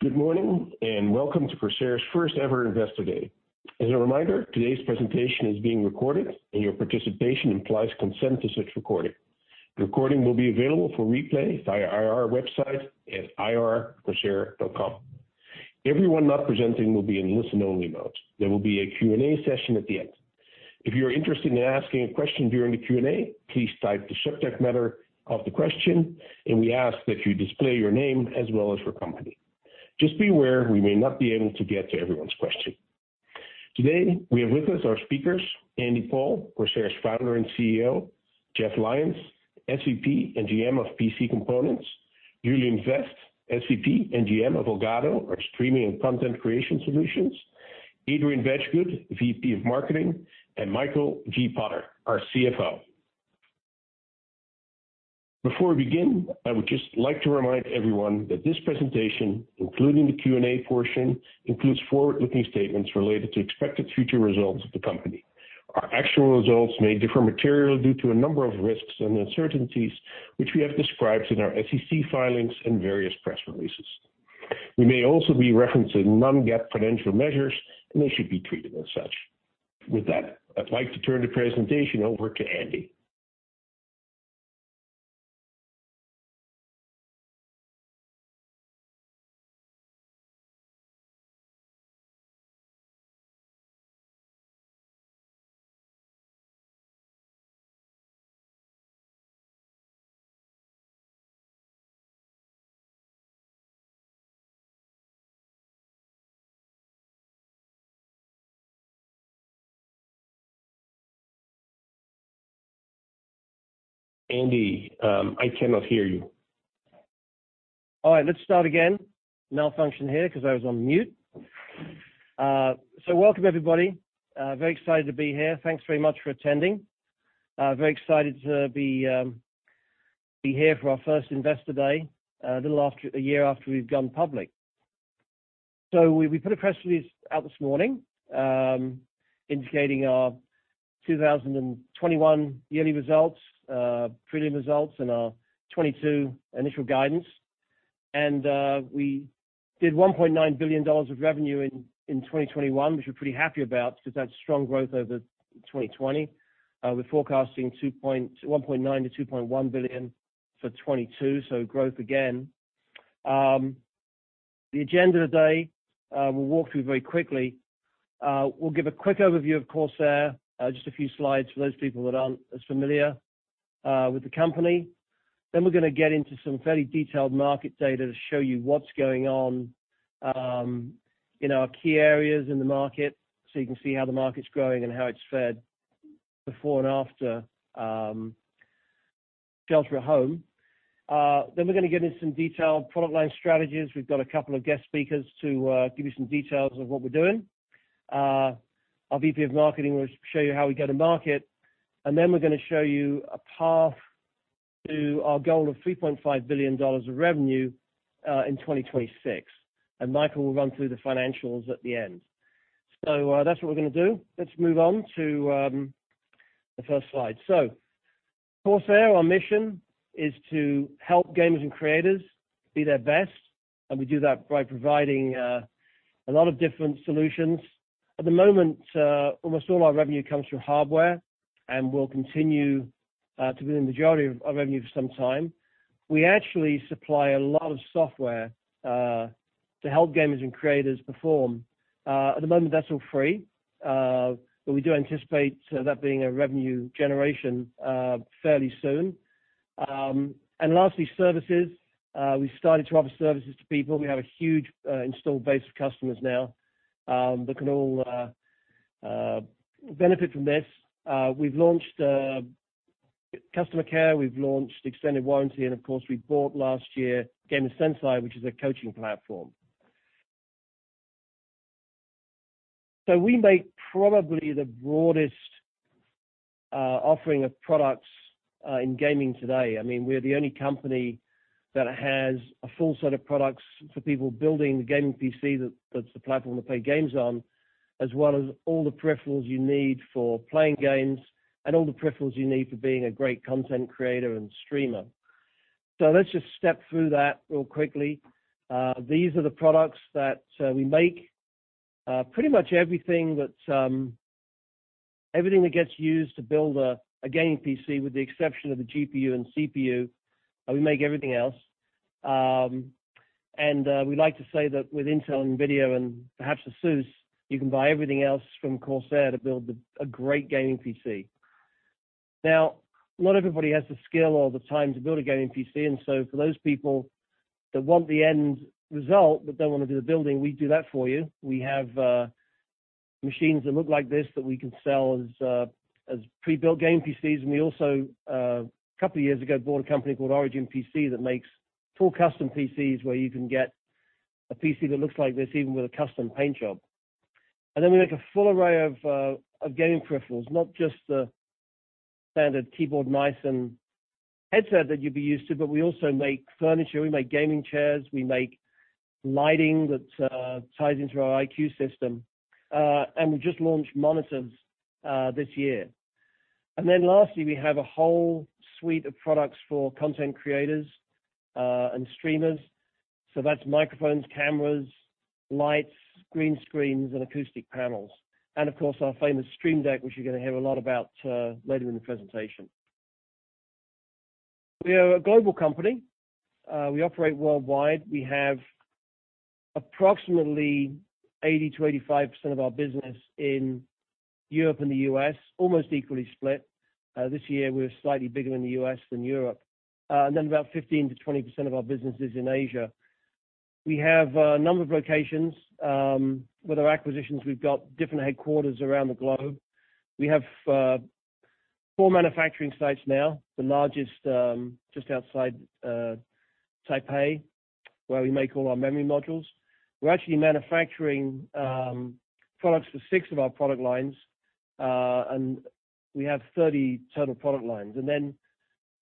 Good morning, and welcome to Corsair's first ever Investor Day. As a reminder, today's presentation is being recorded, and your participation implies consent to such recording. The recording will be available for replay via our IR website at ir.corsair.com. Everyone not presenting will be in listen-only mode. There will be a Q&A session at the end. If you are interested in asking a question during the Q&A, please type the subject matter of the question, and we ask that you display your name as well as your company. Just be aware, we may not be able to get to everyone's question. Today, we have with us our speakers, Andy Paul, Corsair's Founder and CEO, Geoff Lyon, SVP and GM of PC Components, Julian Fest, SVP and GM of Elgato, our streaming and content creation solutions, Adrian Bedggood, VP of Marketing, and Michael G. Potter, our CFO. Before we begin, I would just like to remind everyone that this presentation, including the Q&A portion, includes forward-looking statements related to expected future results of the company. Our actual results may differ materially due to a number of risks and uncertainties, which we have described in our SEC filings and various press releases. We may also be referencing non-GAAP financial measures, and they should be treated as such. With that, I'd like to turn the presentation over to Andy. Andy, I cannot hear you. All right, let's start again. Malfunction here 'cause I was on mute. Welcome everybody. Very excited to be here. Thanks very much for attending. Very excited to be here for our first Investor Day, a little after a year after we've gone public. We put a press release out this morning, indicating our 2021 yearly results, preliminary results and our 2022 initial guidance. We did $1.9 billion of revenue in 2021, which we're pretty happy about because that's strong growth over 2020. We're forecasting $1.9-$2.1 billion for 2022, growth again. The agenda today, we'll walk through very quickly. We'll give a quick overview of Corsair, just a few slides for those people that aren't as familiar with the company. We're gonna get into some fairly detailed market data to show you what's going on in our key areas in the market, so you can see how the market's growing and how it's fared before and after shelter at home. We're gonna get into some detailed product line strategies. We've got a couple of guest speakers to give you some details of what we're doing. Our VP of Marketing will show you how we go to market, and then we're gonna show you a path to our goal of $3.5 billion of revenue in 2026. Michael will run through the financials at the end. That's what we're gonna do. Let's move on to the first slide. Corsair, our mission is to help gamers and creators be their best, and we do that by providing a lot of different solutions. At the moment, almost all our revenue comes from hardware and will continue to be the majority of revenue for some time. We actually supply a lot of software to help gamers and creators perform. At the moment, that's all free, but we do anticipate that being a revenue generation fairly soon. Lastly, services. We've started to offer services to people. We have a huge installed base of customers now that can all benefit from this. We've launched customer care, we've launched extended warranty, and of course, we bought last year Gamer Sensei, which is a coaching platform. We make probably the broadest offering of products in gaming today. I mean, we're the only company that has a full set of products for people building the gaming PC that's the platform to play games on, as well as all the peripherals you need for playing games and all the peripherals you need for being a great content creator and streamer. Let's just step through that real quickly. These are the products that we make. Pretty much everything that gets used to build a gaming PC with the exception of the GPU and CPU, we make everything else. We like to say that with Intel NVIDIA and perhaps ASUS, you can buy everything else from Corsair to build a great gaming PC. Now, not everybody has the skill or the time to build a gaming PC, and so for those people that want the end result but don't wanna do the building, we do that for you. We have machines that look like this that we can sell as pre-built gaming PCs. We also couple years ago bought a company called ORIGIN PC that makes full custom PCs where you can get a PC that looks like this even with a custom paint job. We make a full array of gaming peripherals, not just the standard keyboard, mice and headset that you'd be used to, but we also make furniture. We make gaming chairs, we make lighting that ties into our iCUE system. We just launched monitors this year. Lastly, we have a whole suite of products for content creators and streamers. That's microphones, cameras, lights, green screens, and acoustic panels. Of course, our famous Stream Deck, which you're gonna hear a lot about later in the presentation. We are a global company. We operate worldwide. We have approximately 80%-85% of our business in Europe and the U.S., almost equally split. This year, we're slightly bigger in the U.S. than Europe. About 15%-20% of our business is in Asia. We have a number of locations. With our acquisitions, we've got different headquarters around the globe. We have four manufacturing sites now, the largest just outside Taipei, where we make all our memory modules. We're actually manufacturing products for six of our product lines, and we have 30 total product lines. Then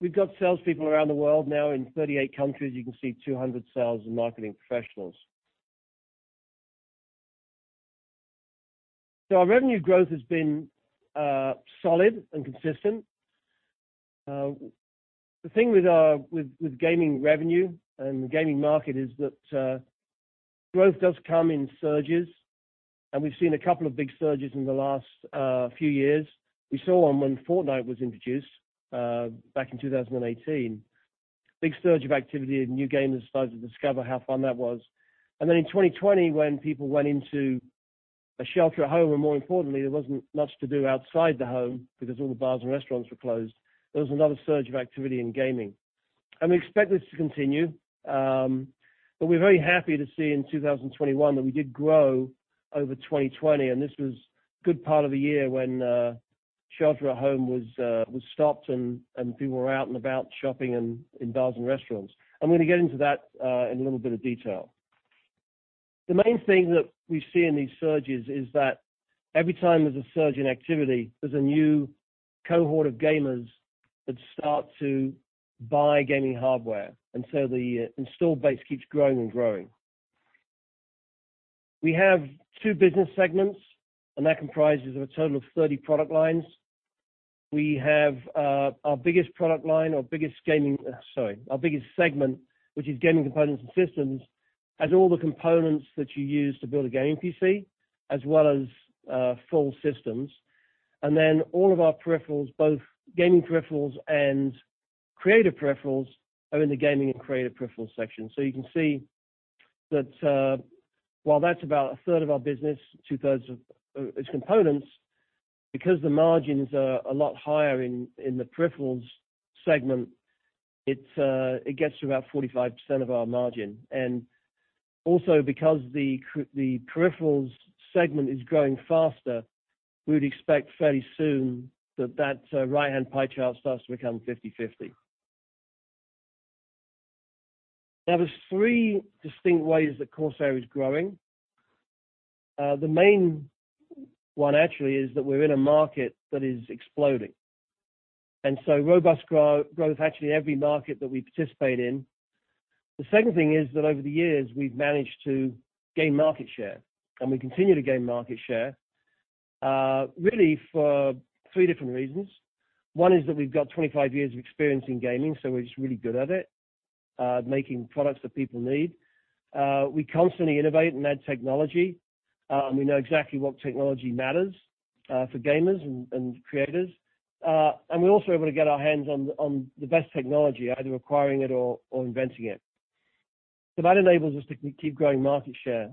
we've got salespeople around the world now in 38 countries. You can see 200 sales and marketing professionals. Our revenue growth has been solid and consistent. The thing with our gaming revenue and the gaming market is that growth does come in surges, and we've seen a couple of big surges in the last few years. We saw one when Fortnite was introduced back in 2018. Big surge of activity and new gamers started to discover how fun that was. In 2020 when people went into a shelter at home, and more importantly, there wasn't much to do outside the home because all the bars and restaurants were closed, there was another surge of activity in gaming. We expect this to continue, but we're very happy to see in 2021 that we did grow over 2020, and this was good part of the year when shelter at home was stopped and people were out and about shopping and in bars and restaurants. I'm gonna get into that in a little bit of detail. The main thing that we see in these surges is that every time there's a surge in activity, there's a new cohort of gamers that start to buy gaming hardware, and so the installed base keeps growing and growing. We have two business segments, and that comprises a total of 30 product lines. We have our biggest segment, which is gaming components and systems, has all the components that you use to build a gaming PC as well as full systems. Then all of our peripherals, both gaming peripherals and creative peripherals, are in the gaming and creative peripherals section. You can see that while that's about 1/3 of our business, 2/3 of its components, because the margins are a lot higher in the peripherals segment, it gets to about 45% of our margin. Also because the peripherals segment is growing faster, we would expect fairly soon that that right-hand pie chart starts to become 50/50. Now there's three distinct ways that Corsair is growing. The main one actually is that we're in a market that is exploding, and so robust growth, actually every market that we participate in. The second thing is that over the years, we've managed to gain market share, and we continue to gain market share, really for three different reasons. One is that we've got 25 years of experience in gaming, so we're just really good at it, making products that people need. We constantly innovate and add technology. We know exactly what technology matters, for gamers and creators. And we're also able to get our hands on the best technology, either acquiring it or inventing it. So that enables us to keep growing market share.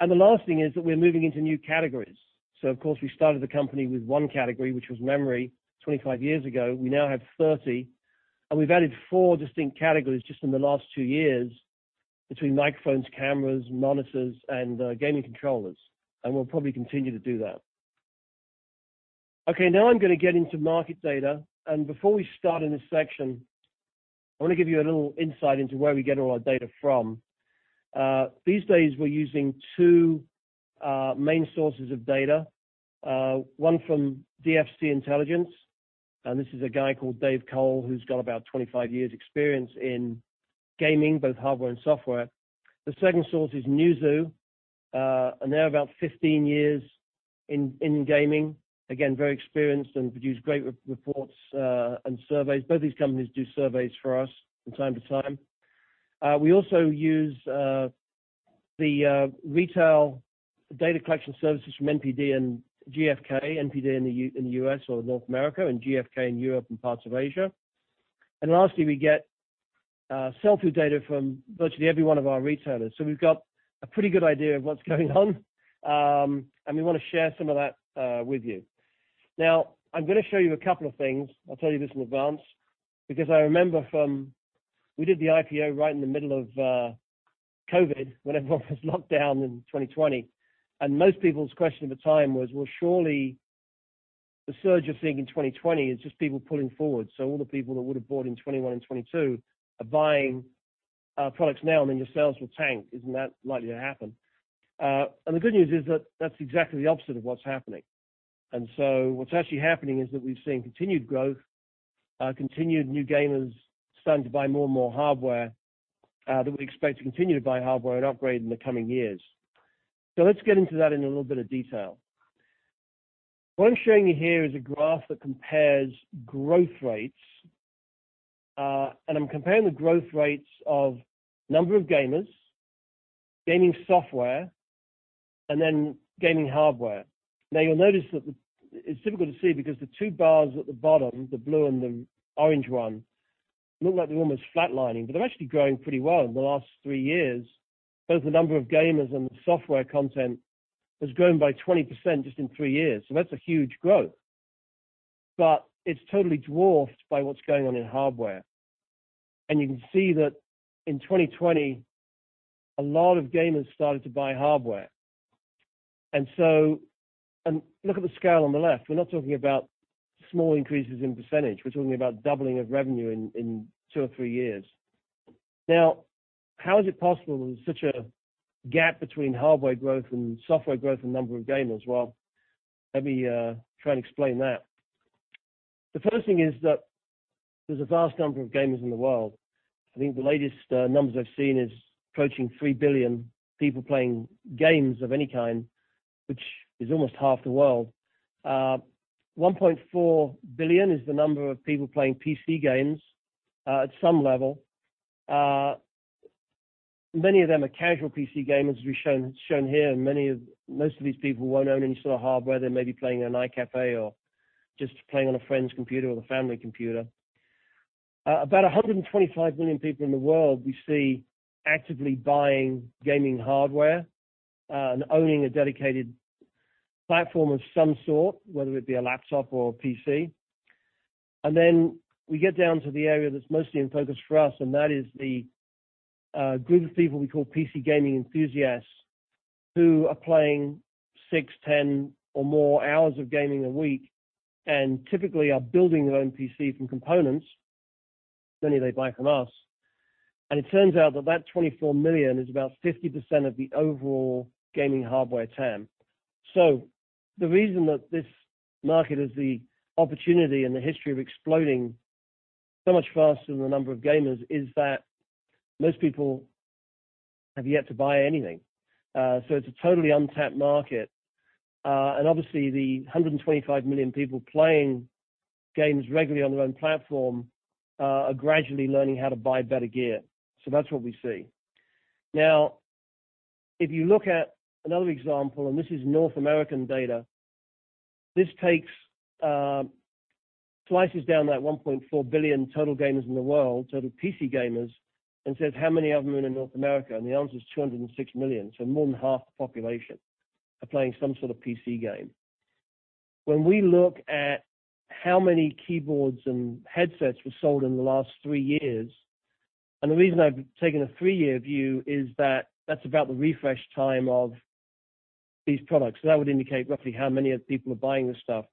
And the last thing is that we're moving into new categories. Of course, we started the company with one category, which was memory, 25 years ago. We now have 30, and we've added four distinct categories just in the last two years between microphones, cameras, monitors, and gaming controllers, and we'll probably continue to do that. Okay, now I'm gonna get into market data. Before we start in this section, I wanna give you a little insight into where we get all our data from. These days, we're using two main sources of data, one from DFC Intelligence, and this is a guy called Dave Cole, who's got about 25 years experience in gaming, both hardware and software. The second source is Newzoo, and they're about 15 years in gaming, again, very experienced and produce great reports, and surveys. Both these companies do surveys for us from time to time. We also use the retail data collection services from NPD and GfK, NPD in the U.S. or North America and GfK in Europe and parts of Asia. Lastly, we get sell-through data from virtually every one of our retailers. We've got a pretty good idea of what's going on, and we wanna share some of that with you. Now, I'm gonna show you a couple of things. I'll tell you this in advance, because I remember. We did the IPO right in the middle of COVID when everyone was locked down in 2020. Most people's question at the time was, "Well, surely the surge you're seeing in 2020 is just people pulling forward. All the people that would have bought in 2021 and 2022 are buying products now, and then your sales will tank. Isn't that likely to happen? The good news is that that's exactly the opposite of what's happening. What's actually happening is that we've seen continued growth, continued new gamers starting to buy more and more hardware that we expect to continue to buy hardware and upgrade in the coming years. Let's get into that in a little bit of detail. What I'm showing you here is a graph that compares growth rates, and I'm comparing the growth rates of number of gamers, gaming software, and then gaming hardware. Now you'll notice that it's difficult to see because the two bars at the bottom, the blue and the orange one, look like they're almost flatlining, but they're actually growing pretty well in the last three years. Both the number of gamers and the software content has grown by 20% just in three years, that's a huge growth. It's totally dwarfed by what's going on in hardware. You can see that in 2020, a lot of gamers started to buy hardware. Look at the scale on the left. We're not talking about small increases in percentage. We're talking about doubling of revenue in two or three years. Now, how is it possible there's such a gap between hardware growth and software growth and number of gamers? Well, let me try and explain that. The first thing is that there's a vast number of gamers in the world. I think the latest numbers I've seen is approaching 3 billion people playing games of any kind, which is almost half the world. 1.4 billion is the number of people playing PC games at some level. Many of them are casual PC gamers as we've shown here. Most of these people won't own any sort of hardware. They may be playing in an iCafe or just playing on a friend's computer or the family computer. About 125 million people in the world we see actively buying gaming hardware and owning a dedicated platform of some sort, whether it be a laptop or a PC. Then we get down to the area that's mostly in focus for us, and that is the group of people we call PC gaming enthusiasts who are playing six, 10, or more hours of gaming a week and typically are building their own PC from components, many they buy from us. It turns out that that 24 million is about 50% of the overall gaming hardware TAM. The reason that this market has the opportunity and the history of exploding so much faster than the number of gamers is that most people have yet to buy anything. It's a totally untapped market. Obviously, the 125 million people playing games regularly on their own platform are gradually learning how to buy better gear. That's what we see. Now, if you look at another example, and this is North American data, this takes slices down that 1.4 billion total gamers in the world, total PC gamers, and says how many of them are in North America? The answer is 206 million. More than half the population are playing some sort of PC game. When we look at how many keyboards and headsets were sold in the last three years, and the reason I've taken a three-year view is that that's about the refresh time of these products. That would indicate roughly how many of the people are buying this stuff.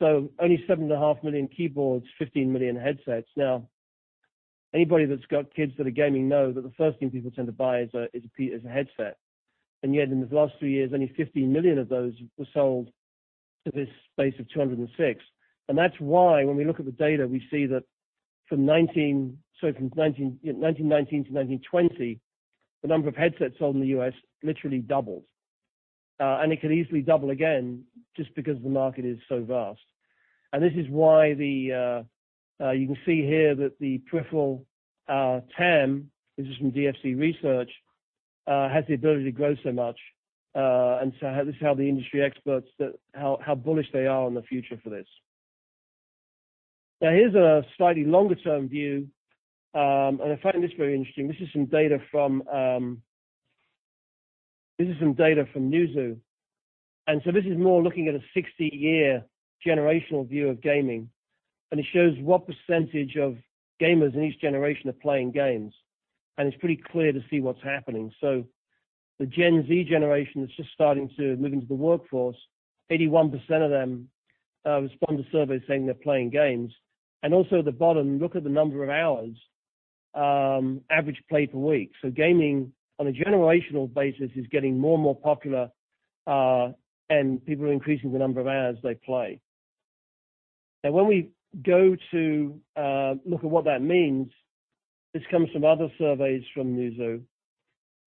Only 7.5 million keyboards, 15 million headsets. Now, anybody that's got kids that are gaming know that the first thing people tend to buy is a headset. Yet in the last three years, only 15 million of those were sold to this space of 206. That's why when we look at the data, we see that from 2019 to 2020, the number of headsets sold in the U.S. literally doubles. It could easily double again just because the market is so vast. This is why the, you can see here that the peripheral, TAM, this is from DFC Intelligence, has the ability to grow so much, this is how the industry experts, how bullish they are on the future for this. Now here's a slightly longer-term view, I find this very interesting. This is some data from Newzoo. This is more looking at a 60-year generational view of gaming, and it shows what percentage of gamers in each generation are playing games. It's pretty clear to see what's happening. The Gen Z generation that's just starting to move into the workforce, 81% of them respond to surveys saying they're playing games. Also at the bottom, look at the number of hours, average play per week. Gaming on a generational basis is getting more and more popular, and people are increasing the number of hours they play. Now when we go to look at what that means, this comes from other surveys from Newzoo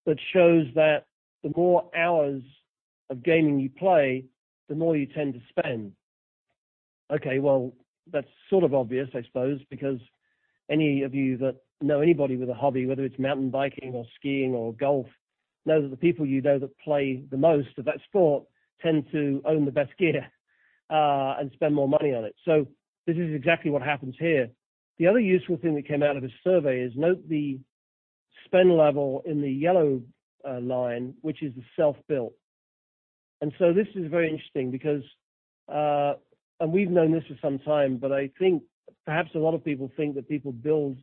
that shows that the more hours of gaming you play, the more you tend to spend. Okay, well, that's sort of obvious, I suppose, because any of you that know anybody with a hobby, whether it's mountain biking or skiing or golf, know that the people you know that play the most of that sport tend to own the best gear, and spend more money on it. This is exactly what happens here. The other useful thing that came out of this survey is note the spend level in the yellow line, which is the self-built. This is very interesting because, and we've known this for some time, but I think perhaps a lot of people think that people build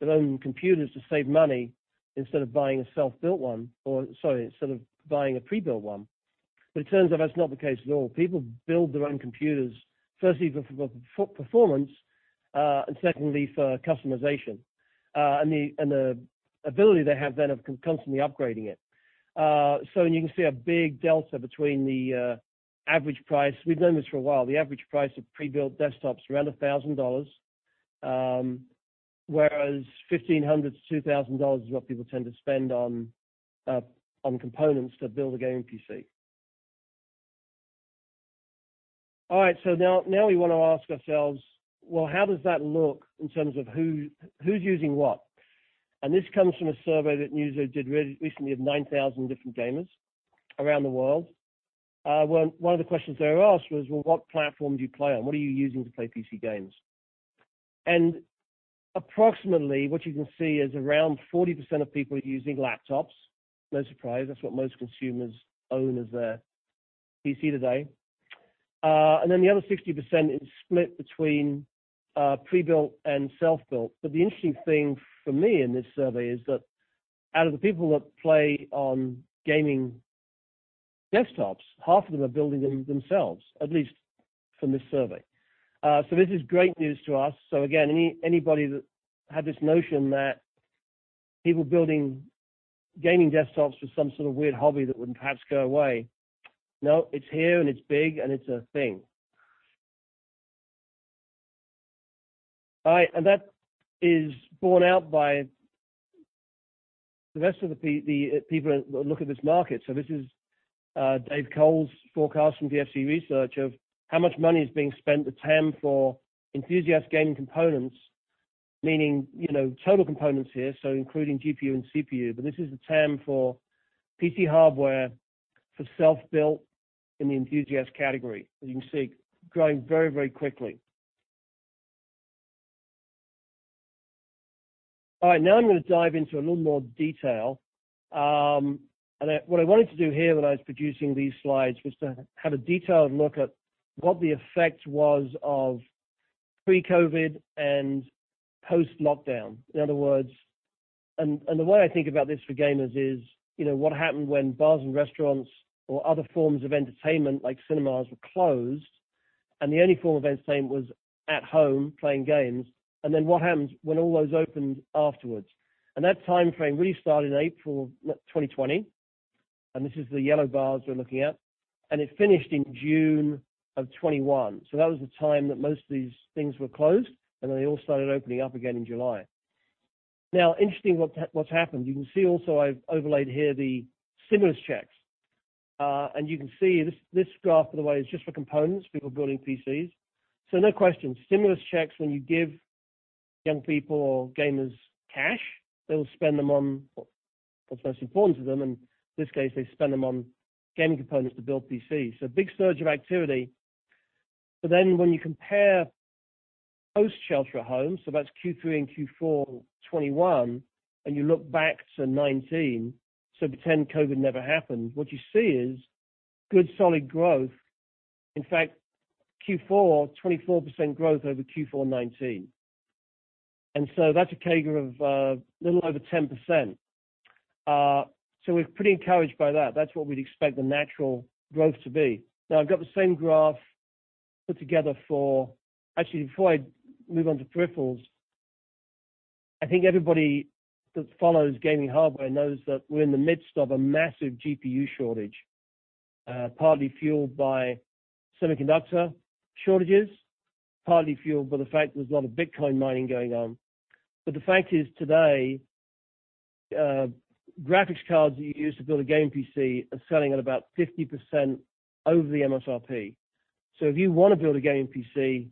their own computers to save money instead of buying a self-built one or, sorry, instead of buying a pre-built one. It turns out that's not the case at all. People build their own computers, firstly for performance, and secondly for customization, and the ability they have then of constantly upgrading it. You can see a big delta between the average price. We've known this for a while. The average price of pre-built desktops is around $1,000. Whereas $1,500-$2,000 is what people tend to spend on components to build a gaming PC. All right, now we want to ask ourselves, well, how does that look in terms of who's using what? This comes from a survey that Newzoo did recently of 9,000 different gamers around the world. One of the questions they were asked was, "Well, what platform do you play on? What are you using to play PC games?" Approximately, what you can see is around 40% of people are using laptops. No surprise, that's what most consumers own as their PC today. Then the other 60% is split between pre-built and self-built. The interesting thing for me in this survey is that out of the people that play on gaming desktops, half of them are building them themselves, at least from this survey. This is great news to us. Again, anybody that had this notion that people building gaming desktops was some sort of weird hobby that would perhaps go away, no, it's here and it's big, and it's a thing. All right, that is borne out by the rest of the people that look at this market. This is Dave Cole's forecast from DFC Intelligence of how much money is being spent, the TAM for enthusiast gaming components, meaning, you know, total components here, so including GPU and CPU. This is the TAM for PC hardware for self-built in the enthusiast category. As you can see, growing very, very quickly. All right, now I'm gonna dive into a little more detail. What I wanted to do here when I was producing these slides was to have a detailed look at what the effect was of pre-COVID and post-lockdown. In other words, the way I think about this for gamers is, you know, what happened when bars and restaurants or other forms of entertainment, like cinemas, were closed, and the only form of entertainment was at home playing games, and then what happens when all those opened afterwards. That timeframe really started in April 2020, and this is the yellow bars we're looking at, and it finished in June 2021. That was the time that most of these things were closed, and then they all started opening up again in July. Now, interesting what's happened. You can see also I've overlaid here the stimulus checks, and you can see this graph, by the way, is just for components, people building PCs. No question, stimulus checks, when you give young people or gamers cash, they'll spend them on what's most important to them, and in this case, they spend them on gaming components to build PCs. Big surge of activity. When you compare post shelter at home, so that's Q3 and Q4 2021, and you look back to 2019, so pretend COVID never happened, what you see is good, solid growth. In fact, Q4, 24% growth over Q4 2019. That's a CAGR of little over 10%. We're pretty encouraged by that. That's what we'd expect the natural growth to be. Now I've got the same graph put together. Actually, before I move on to peripherals, I think everybody that follows gaming hardware knows that we're in the midst of a massive GPU shortage, partly fueled by semiconductor shortages, partly fueled by the fact there's a lot of Bitcoin mining going on. The fact is today, graphics cards you use to build a gaming PC are selling at about 50% over the MSRP. If you wanna build a gaming PC,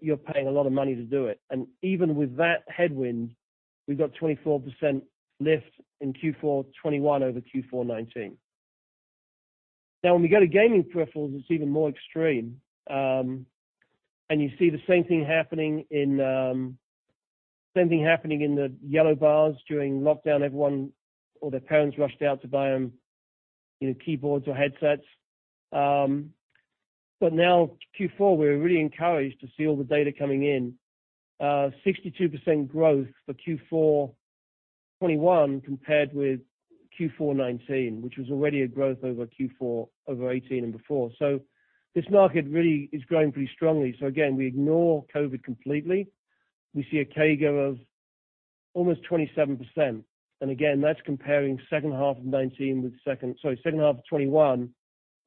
you're paying a lot of money to do it. Even with that headwind, we've got 24% lift in Q4 2021 over Q4 2019. Now when we go to gaming peripherals, it's even more extreme. You see the same thing happening in the yellow bars during lockdown. Everyone or their parents rushed out to buy, you know, keyboards or headsets. Now Q4, we're really encouraged to see all the data coming in. 62% growth for Q4 2021 compared with Q4 2019, which was already a growth over Q4 2018 and before. This market really is growing pretty strongly. Again, we ignore COVID completely. We see a CAGR of almost 27%. That's comparing second half of 2019 with second Sorry, second half of 2021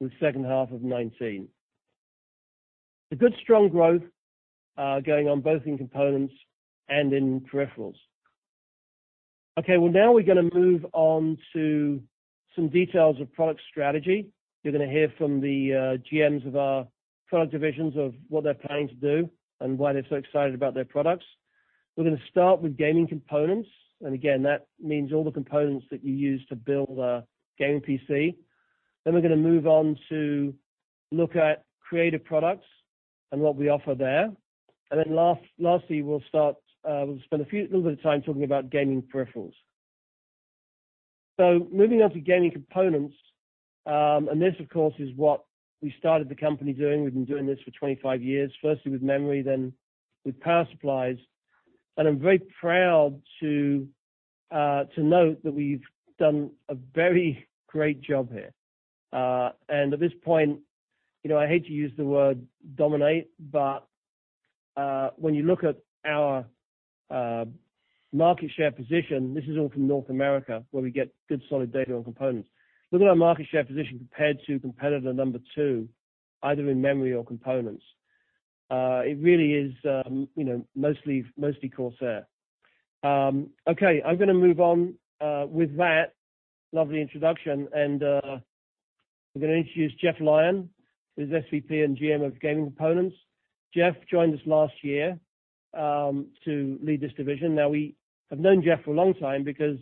with second half of 2019. A good, strong growth going on both in components and in peripherals. Okay, well, now we're gonna move on to some details of product strategy. You're gonna hear from the GMs of our product divisions of what they're planning to do and why they're so excited about their products. We're gonna start with gaming components, and again, that means all the components that you use to build a gaming PC. We're gonna move on to look at creative products and what we offer there. Lastly, we'll spend a few, little bit of time talking about gaming peripherals. Moving on to gaming components, and this of course is what we started the company doing. We've been doing this for 25 years, firstly with memory, then with power supplies. I'm very proud to note that we've done a very great job here. At this point, you know, I hate to use the word dominate, but when you look at our market share position, this is all from North America, where we get good solid data on components. Look at our market share position compared to competitor number two, either in memory or components. It really is, you know, mostly Corsair. Okay, I'm gonna move on with that lovely introduction, and I'm gonna introduce Geoff Lyon, who's SVP and GM of PC Components. Geoff joined us last year to lead this division. Now, we have known Geoff for a long time because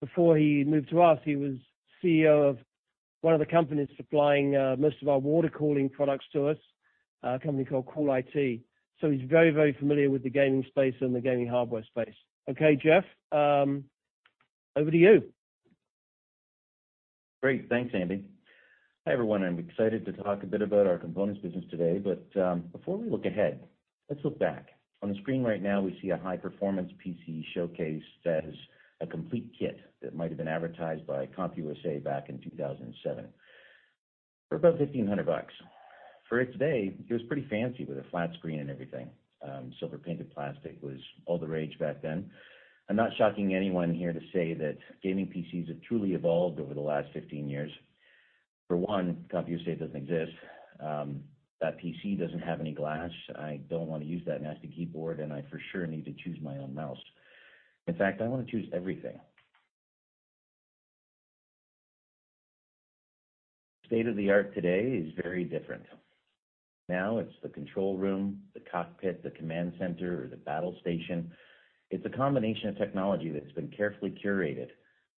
before he moved to us, he was CEO of one of the companies supplying most of our water cooling products to us, a company called CoolIT. He's very, very familiar with the gaming space and the gaming hardware space. Okay, Geoff, over to you. Great. Thanks, Andy. Hi, everyone. I'm excited to talk a bit about our components business today, but before we look ahead, let's look back. On the screen right now, we see a high-performance PC showcase that is a complete kit that might have been advertised by CompUSA back in 2007 for about $1,500. For its day, it was pretty fancy with a flat screen and everything. Silver-painted plastic was all the rage back then. I'm not shocking anyone here to say that gaming PCs have truly evolved over the last 15 years. For one, CompUSA doesn't exist. That PC doesn't have any glass. I don't wanna use that nasty keyboard, and I for sure need to choose my own mouse. In fact, I wanna choose everything. State-of-the-art today is very different. Now it's the control room, the cockpit, the command center or the battle station. It's a combination of technology that's been carefully curated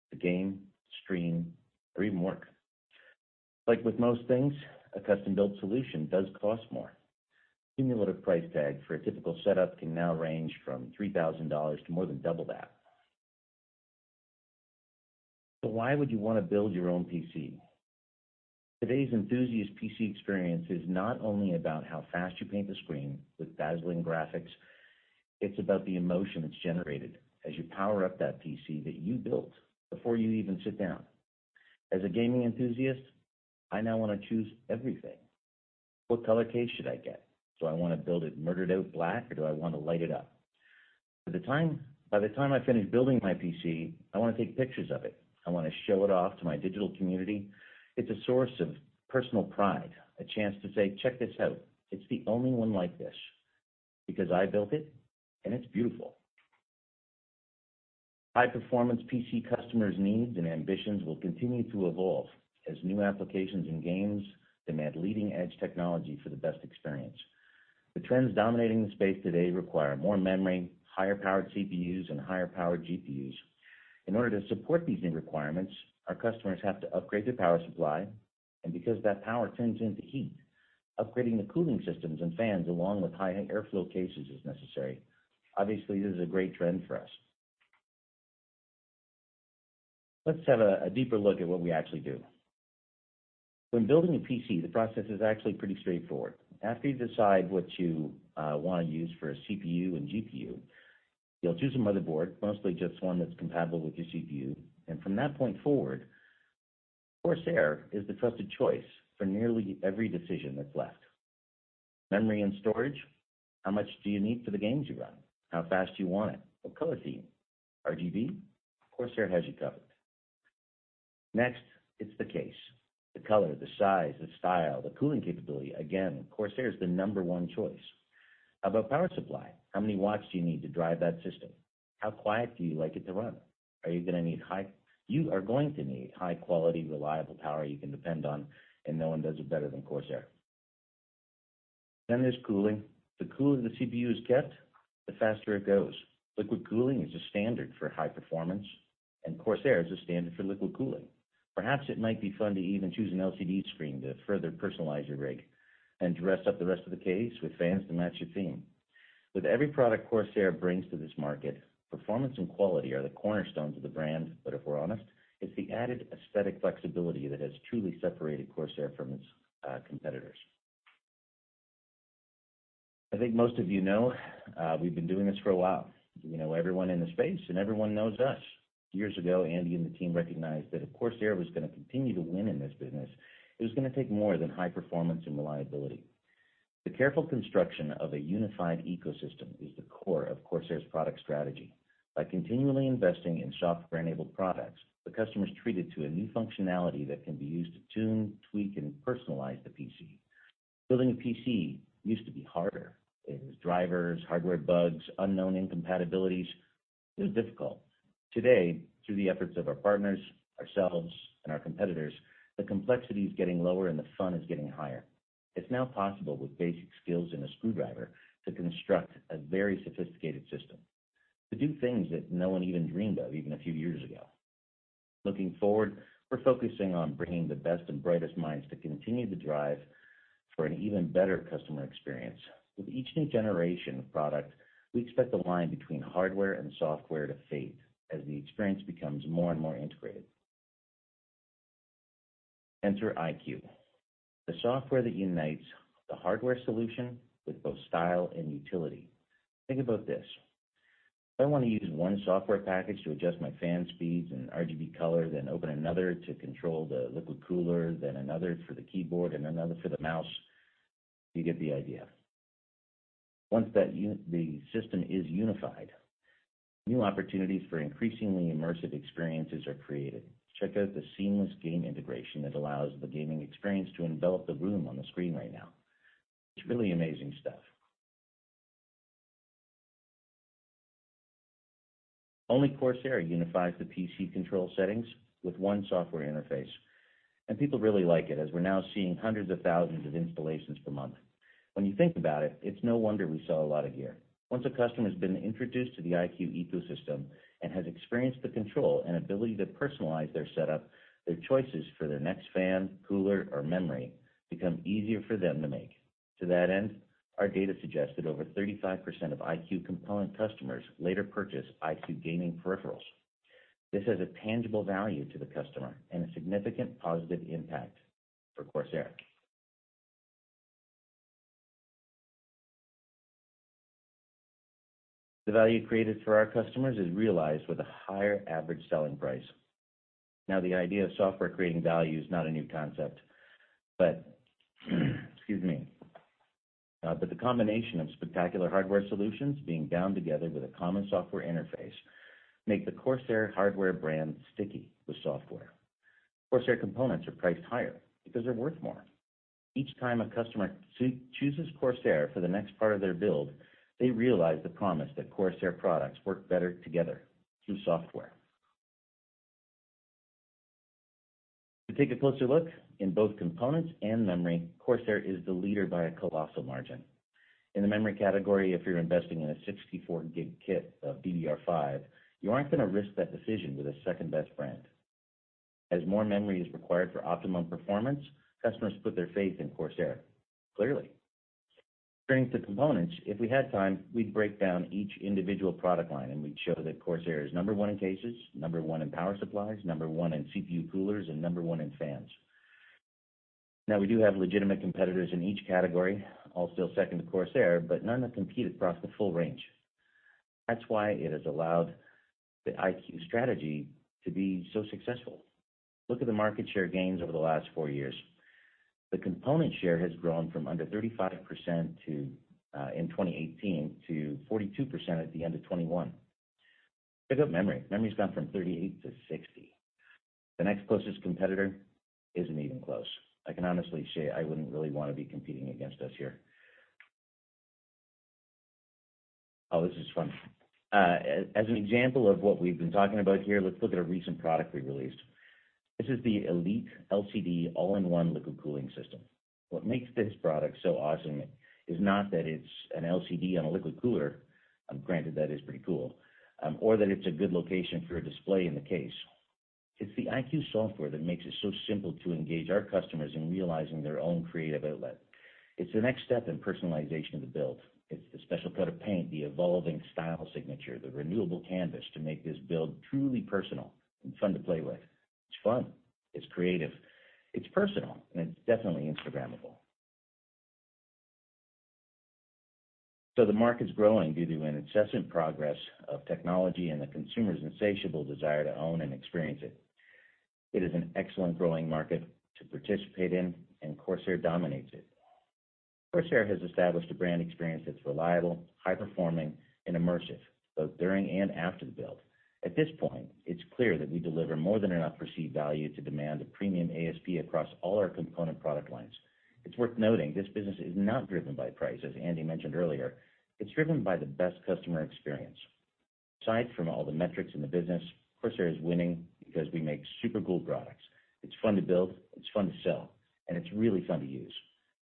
to game, stream or even work. Like with most things, a custom-built solution does cost more. Cumulative price tag for a typical setup can now range from $3,000 to more than double that. Why would you wanna build your own PC? Today's enthusiast PC experience is not only about how fast you paint the screen with dazzling graphics, it's about the emotion that's generated as you power up that PC that you built before you even sit down. As a gaming enthusiast, I now wanna choose everything. What color case should I get? Do I wanna build it murdered out black, or do I want to light it up? By the time I finish building my PC, I wanna take pictures of it. I wanna show it off to my digital community. It's a source of personal pride, a chance to say, "Check this out. It's the only one like this because I built it, and it's beautiful." High-performance PC customers' needs and ambitions will continue to evolve as new applications and games demand leading-edge technology for the best experience. The trends dominating the space today require more memory, higher-powered CPUs, and higher-powered GPUs. In order to support these new requirements, our customers have to upgrade their power supply, and because that power turns into heat, upgrading the cooling systems and fans along with high airflow cases is necessary. Obviously, this is a great trend for us. Let's have a deeper look at what we actually do. When building a PC, the process is actually pretty straightforward. After you decide what you wanna use for a CPU and GPU, you'll choose a motherboard, mostly just one that's compatible with your CPU, and from that point forward, Corsair is the trusted choice for nearly every decision that's left. Memory and storage, how much do you need for the games you run? How fast do you want it? What color scheme? RGB? Corsair has you covered. Next, it's the case, the color, the size, the style, the cooling capability. Again, Corsair is the number one choice. How about power supply? How many watts do you need to drive that system? How quiet do you like it to run? You are going to need high-quality, reliable power you can depend on, and no one does it better than Corsair. There's cooling. The cooler the CPU is kept, the faster it goes. Liquid cooling is a standard for high performance, and Corsair is a standard for liquid cooling. Perhaps it might be fun to even choose an LCD screen to further personalize your rig and to rest up the rest of the case with fans to match your theme. With every product Corsair brings to this market, performance and quality are the cornerstones of the brand. If we're honest, it's the added aesthetic flexibility that has truly separated Corsair from its competitors. I think most of you know, we've been doing this for a while. We know everyone in the space, and everyone knows us. Years ago, Andy and the team recognized that if Corsair was gonna continue to win in this business, it was gonna take more than high performance and reliability. The careful construction of a unified ecosystem is the core of Corsair's product strategy. By continually investing in software-enabled products, the customer is treated to a new functionality that can be used to tune, tweak, and personalize the PC. Building a PC used to be harder. There was drivers, hardware bugs, unknown incompatibilities. It was difficult. Today, through the efforts of our partners, ourselves, and our competitors, the complexity is getting lower and the fun is getting higher. It's now possible with basic skills and a screwdriver to construct a very sophisticated system to do things that no one even dreamed of even a few years ago. Looking forward, we're focusing on bringing the best and brightest minds to continue the drive for an even better customer experience. With each new generation of product, we expect the line between hardware and software to fade as the experience becomes more and more integrated. Enter iCUE, the software that unites the hardware solution with both style and utility. Think about this. If I wanna use one software package to adjust my fan speeds and RGB color, then open another to control the liquid cooler, then another for the keyboard and another for the mouse. You get the idea. Once the system is unified, new opportunities for increasingly immersive experiences are created. Check out the seamless game integration that allows the gaming experience to envelop the room on the screen right now. It's really amazing stuff. Only Corsair unifies the PC control settings with one software interface, and people really like it as we're now seeing hundreds of thousands of installations per month. When you think about it's no wonder we sell a lot of gear. Once a customer has been introduced to the iCUE ecosystem and has experienced the control and ability to personalize their setup, their choices for their next fan, cooler or memory become easier for them to make. To that end, our data suggests that over 35% of iCUE component customers later purchase iCUE gaming peripherals. This has a tangible value to the customer and a significant positive impact for Corsair. The value created for our customers is realized with a higher average selling price. Now, the idea of software creating value is not a new concept, but excuse me, but the combination of spectacular hardware solutions being bound together with a common software interface make the Corsair hardware brand sticky with software. Corsair components are priced higher because they're worth more. Each time a customer chooses Corsair for the next part of their build, they realize the promise that Corsair products work better together through software. To take a closer look in both components and memory, Corsair is the leader by a colossal margin. In the memory category, if you're investing in a 64 GB kit of DDR5, you aren't gonna risk that decision with a second-best brand. As more memory is required for optimum performance, customers put their faith in Corsair, clearly. Turning to components, if we had time, we'd break down each individual product line, and we'd show that Corsair is number one in cases, number one in power supplies, number one in CPU coolers, and number one in fans. Now we do have legitimate competitors in each category, all still second to Corsair, but none have competed across the full range. That's why it has allowed the iCUE strategy to be so successful. Look at the market share gains over the last four years. The component share has grown from under 35% in 2018 to 42% at the end of 2021. Check out memory. Memory's gone from 38%-60%. The next closest competitor isn't even close. I can honestly say I wouldn't really wanna be competing against us here. Oh, this is fun. As an example of what we've been talking about here, let's look at a recent product we released. This is the ELITE LCD all-in-one liquid cooling system. What makes this product so awesome is not that it's an LCD on a liquid cooler, granted that is pretty cool, or that it's a good location for a display in the case. It's the iCUE software that makes it so simple to engage our customers in realizing their own creative outlet. It's the next step in personalization of the build. It's the special coat of paint, the evolving style signature, the renewable canvas to make this build truly personal and fun to play with. It's fun, it's creative, it's personal, and it's definitely Instagrammable. The market's growing due to an incessant progress of technology and the consumer's insatiable desire to own and experience it. It is an excellent growing market to participate in, and Corsair dominates it. Corsair has established a brand experience that's reliable, high-performing, and immersive, both during and after the build. At this point, it's clear that we deliver more than enough perceived value to demand a premium ASP across all our component product lines. It's worth noting this business is not driven by price, as Andy mentioned earlier. It's driven by the best customer experience. Aside from all the metrics in the business, Corsair is winning because we make super cool products. It's fun to build, it's fun to sell, and it's really fun to use.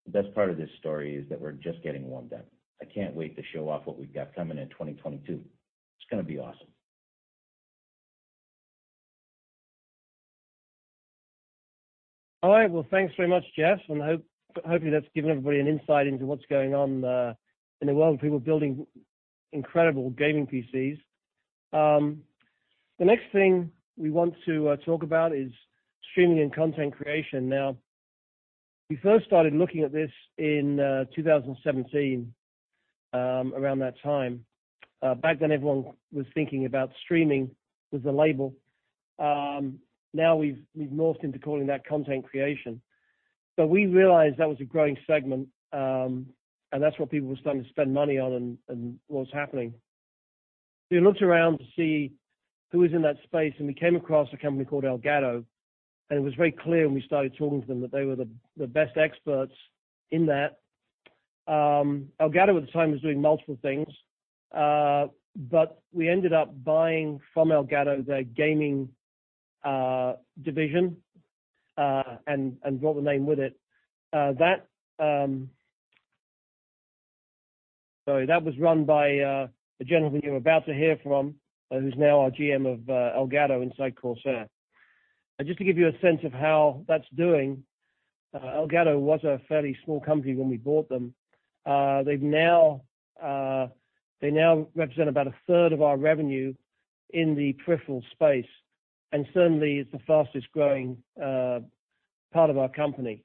The best part of this story is that we're just getting warmed up. I can't wait to show off what we've got coming in 2022. It's gonna be awesome. All right. Well, thanks very much, Geoff, and I hope, hopefully that's given everybody an insight into what's going on, in the world of people building incredible gaming PCs. The next thing we want to talk about is streaming and content creation. Now, we first started looking at this in 2017, around that time. Back then everyone was thinking about streaming as a label. Now we've morphed into calling that content creation. We realized that was a growing segment, and that's what people were starting to spend money on and what was happening. We looked around to see who was in that space, and we came across a company called Elgato, and it was very clear when we started talking to them that they were the best experts in that. Elgato at the time was doing multiple things, but we ended up buying from Elgato their gaming division, and brought the name with it. That was run by a gentleman you're about to hear from, who's now our GM of Elgato inside Corsair. Just to give you a sense of how that's doing, Elgato was a fairly small company when we bought them. They now represent about a third of our revenue in the peripheral space, and certainly it's the fastest growing part of our company.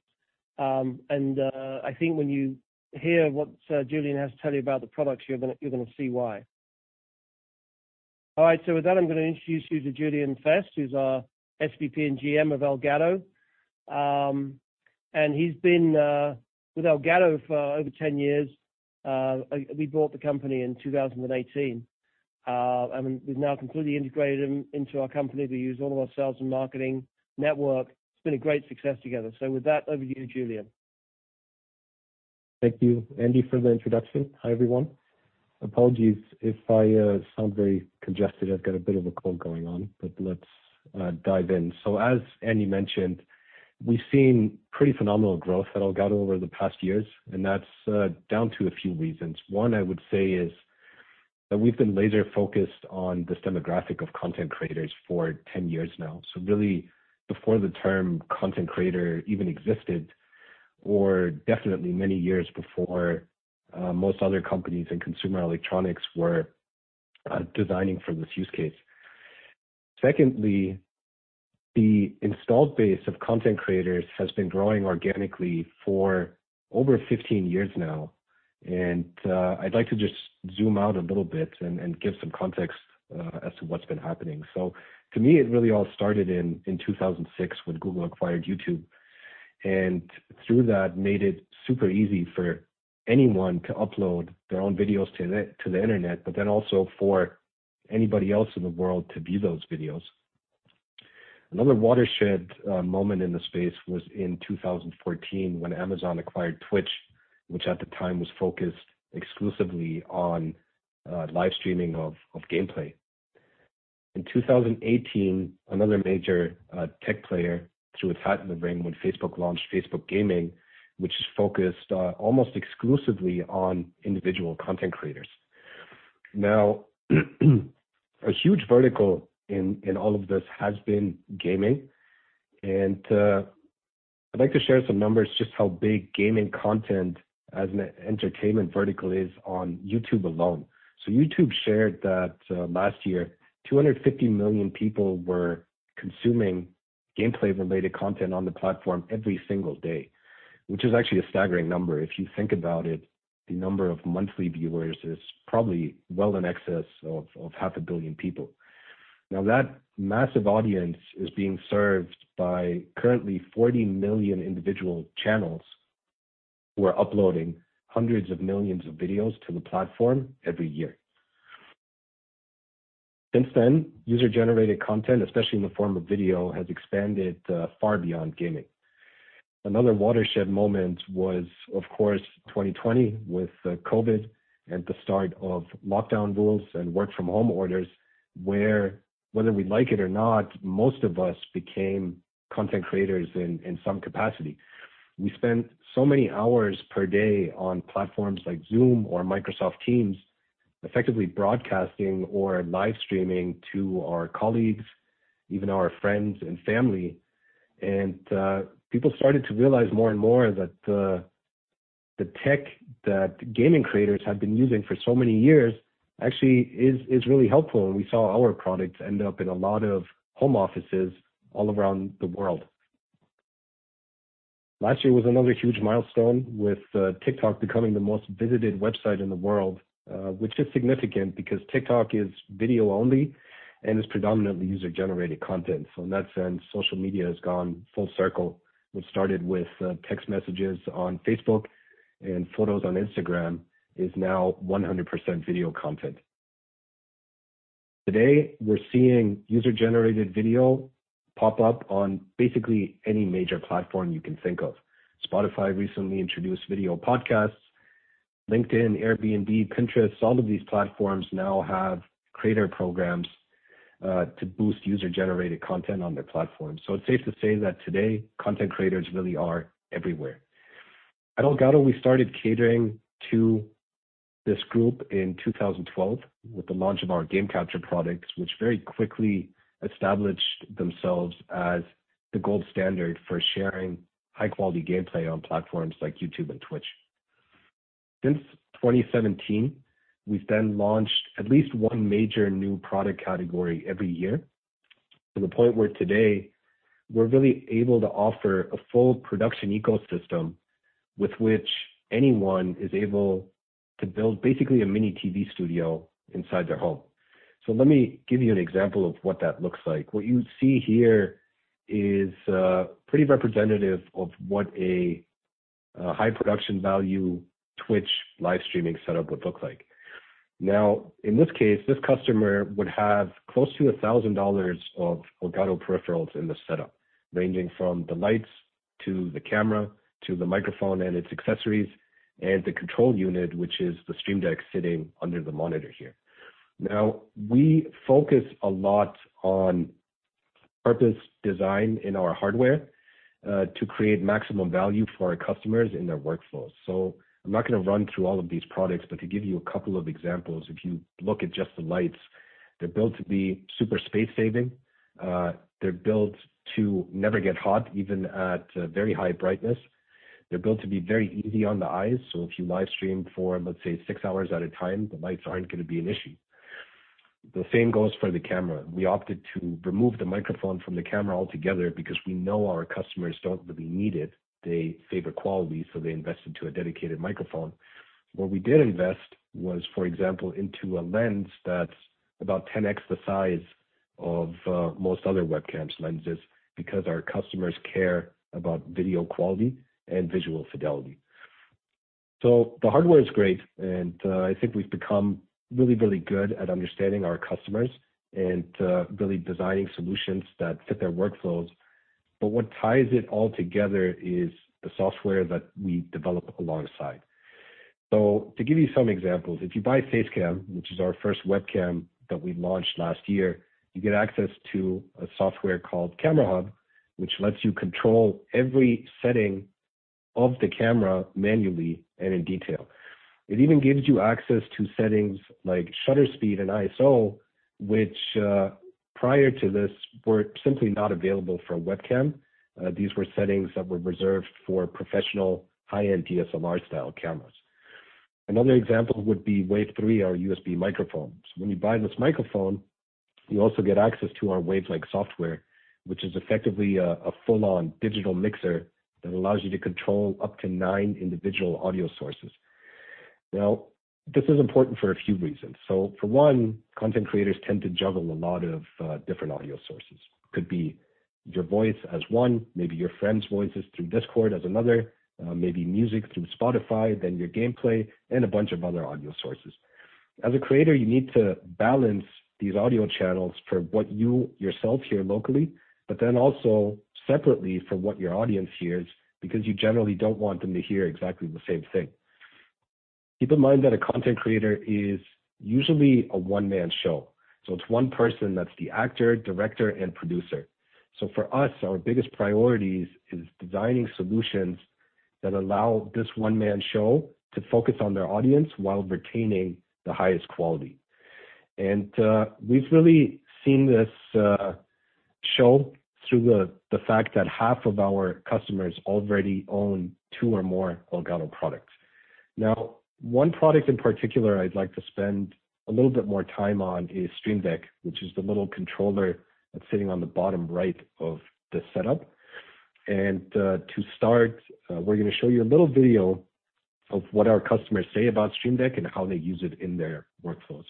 I think when you hear what Julian has to tell you about the products, you're gonna see why. All right. With that, I'm gonna introduce you to Julian Fest, who's our SVP and GM of Elgato. He's been with Elgato for over 10 years. We bought the company in 2018. We've now completely integrated them into our company. We use all of our sales and marketing network. It's been a great success together. With that, over to you, Julian. Thank you, Andy, for the introduction. Hi, everyone. Apologies if I sound very congested. I've got a bit of a cold going on, but let's dive in. As Andy mentioned, we've seen pretty phenomenal growth at Elgato over the past years, and that's down to a few reasons. One, I would say is that we've been laser-focused on this demographic of content creators for 10 years now. Really before the term content creator even existed, or definitely many years before most other companies in consumer electronics were designing for this use case. Secondly, the installed base of content creators has been growing organically for over 15 years now. I'd like to just zoom out a little bit and give some context as to what's been happening. To me, it really all started in 2006 when Google acquired YouTube, and through that made it super easy for anyone to upload their own videos to the internet, but then also for anybody else in the world to view those videos. Another watershed moment in the space was in 2014 when Amazon acquired Twitch, which at the time was focused exclusively on live streaming of gameplay. In 2018, another major tech player threw its hat in the ring when Facebook launched Facebook Gaming, which is focused almost exclusively on individual content creators. Now, a huge vertical in all of this has been gaming. I'd like to share some numbers, just how big gaming content as an entertainment vertical is on YouTube alone. YouTube shared that last year, 250 million people were consuming gameplay-related content on the platform every single day, which is actually a staggering number. If you think about it, the number of monthly viewers is probably well in excess of half a billion people. Now, that massive audience is being served by currently 40 million individual channels who are uploading hundreds of millions of videos to the platform every year. Since then, user-generated content, especially in the form of video, has expanded far beyond gaming. Another watershed moment was, of course, 2020 with COVID and the start of lockdown rules and work-from-home orders, where whether we like it or not, most of us became content creators in some capacity. We spent so many hours per day on platforms like Zoom or Microsoft Teams, effectively broadcasting or live streaming to our colleagues, even our friends and family. People started to realize more and more that the tech that gaming creators have been using for so many years actually is really helpful. We saw our products end up in a lot of home offices all around the world. Last year was another huge milestone with TikTok becoming the most visited website in the world, which is significant because TikTok is video-only and is predominantly user-generated content. In that sense, social media has gone full circle. What started with text messages on Facebook and photos on Instagram is now 100% video content. Today, we're seeing user-generated video pop up on basically any major platform you can think of. Spotify recently introduced video podcasts, LinkedIn, Airbnb, Pinterest, all of these platforms now have creator programs to boost user-generated content on their platform. It's safe to say that today, content creators really are everywhere. At Elgato, we started catering to this group in 2012 with the launch of our game capture products, which very quickly established themselves as the gold standard for sharing high-quality gameplay on platforms like YouTube and Twitch. Since 2017, we've then launched at least one major new product category every year to the point where today we're really able to offer a full production ecosystem with which anyone is able to build basically a mini TV studio inside their home. Let me give you an example of what that looks like. What you see here is pretty representative of what a high production value Twitch live streaming setup would look like. Now, in this case, this customer would have close to $1,000 of Elgato peripherals in the setup, ranging from the lights to the camera, to the microphone and its accessories, and the control unit, which is the Stream Deck sitting under the monitor here. Now, we focus a lot on purpose design in our hardware to create maximum value for our customers in their workflows. I'm not gonna run through all of these products, but to give you a couple of examples, if you look at just the lights, they're built to be super space-saving. They're built to never get hot, even at very high brightness. They're built to be very easy on the eyes, so if you live stream for, let's say, six hours at a time, the lights aren't gonna be an issue. The same goes for the camera. We opted to remove the microphone from the camera altogether because we know our customers don't really need it. They favor quality, so they invest into a dedicated microphone. What we did invest was, for example, into a lens that's about 10x the size of most other webcams' lenses because our customers care about video quality and visual fidelity. The hardware is great, and I think we've become really, really good at understanding our customers and really designing solutions that fit their workflows. What ties it all together is the software that we develop alongside. To give you some examples, if you buy Facecam, which is our first webcam that we launched last year, you get access to a software called Camera Hub, which lets you control every setting of the camera manually and in detail. It even gives you access to settings like shutter speed and ISO, which prior to this were simply not available for a webcam. These were settings that were reserved for professional high-end DSLR style cameras. Another example would be Wave Three, our USB microphones. When you buy this microphone, you also get access to our Wave Link software, which is effectively a full on digital mixer that allows you to control up to nine individual audio sources. Now, this is important for a few reasons. For one, content creators tend to juggle a lot of different audio sources. Could be your voice as one, maybe your friend's voices through Discord as another, maybe music through Spotify, then your gameplay and a bunch of other audio sources. As a creator, you need to balance these audio channels for what you yourself hear locally, but then also separately from what your audience hears, because you generally don't want them to hear exactly the same thing. Keep in mind that a content creator is usually a one-man show, so it's one person that's the actor, director, and producer. For us, our biggest priorities is designing solutions that allow this one-man show to focus on their audience while retaining the highest quality. We've really seen this show through the fact that half of our customers already own two or more Elgato products. Now, one product in particular I'd like to spend a little bit more time on is Stream Deck, which is the little controller that's sitting on the bottom right of this setup. To start, we're gonna show you a little video of what our customers say about Stream Deck and how they use it in their workflows.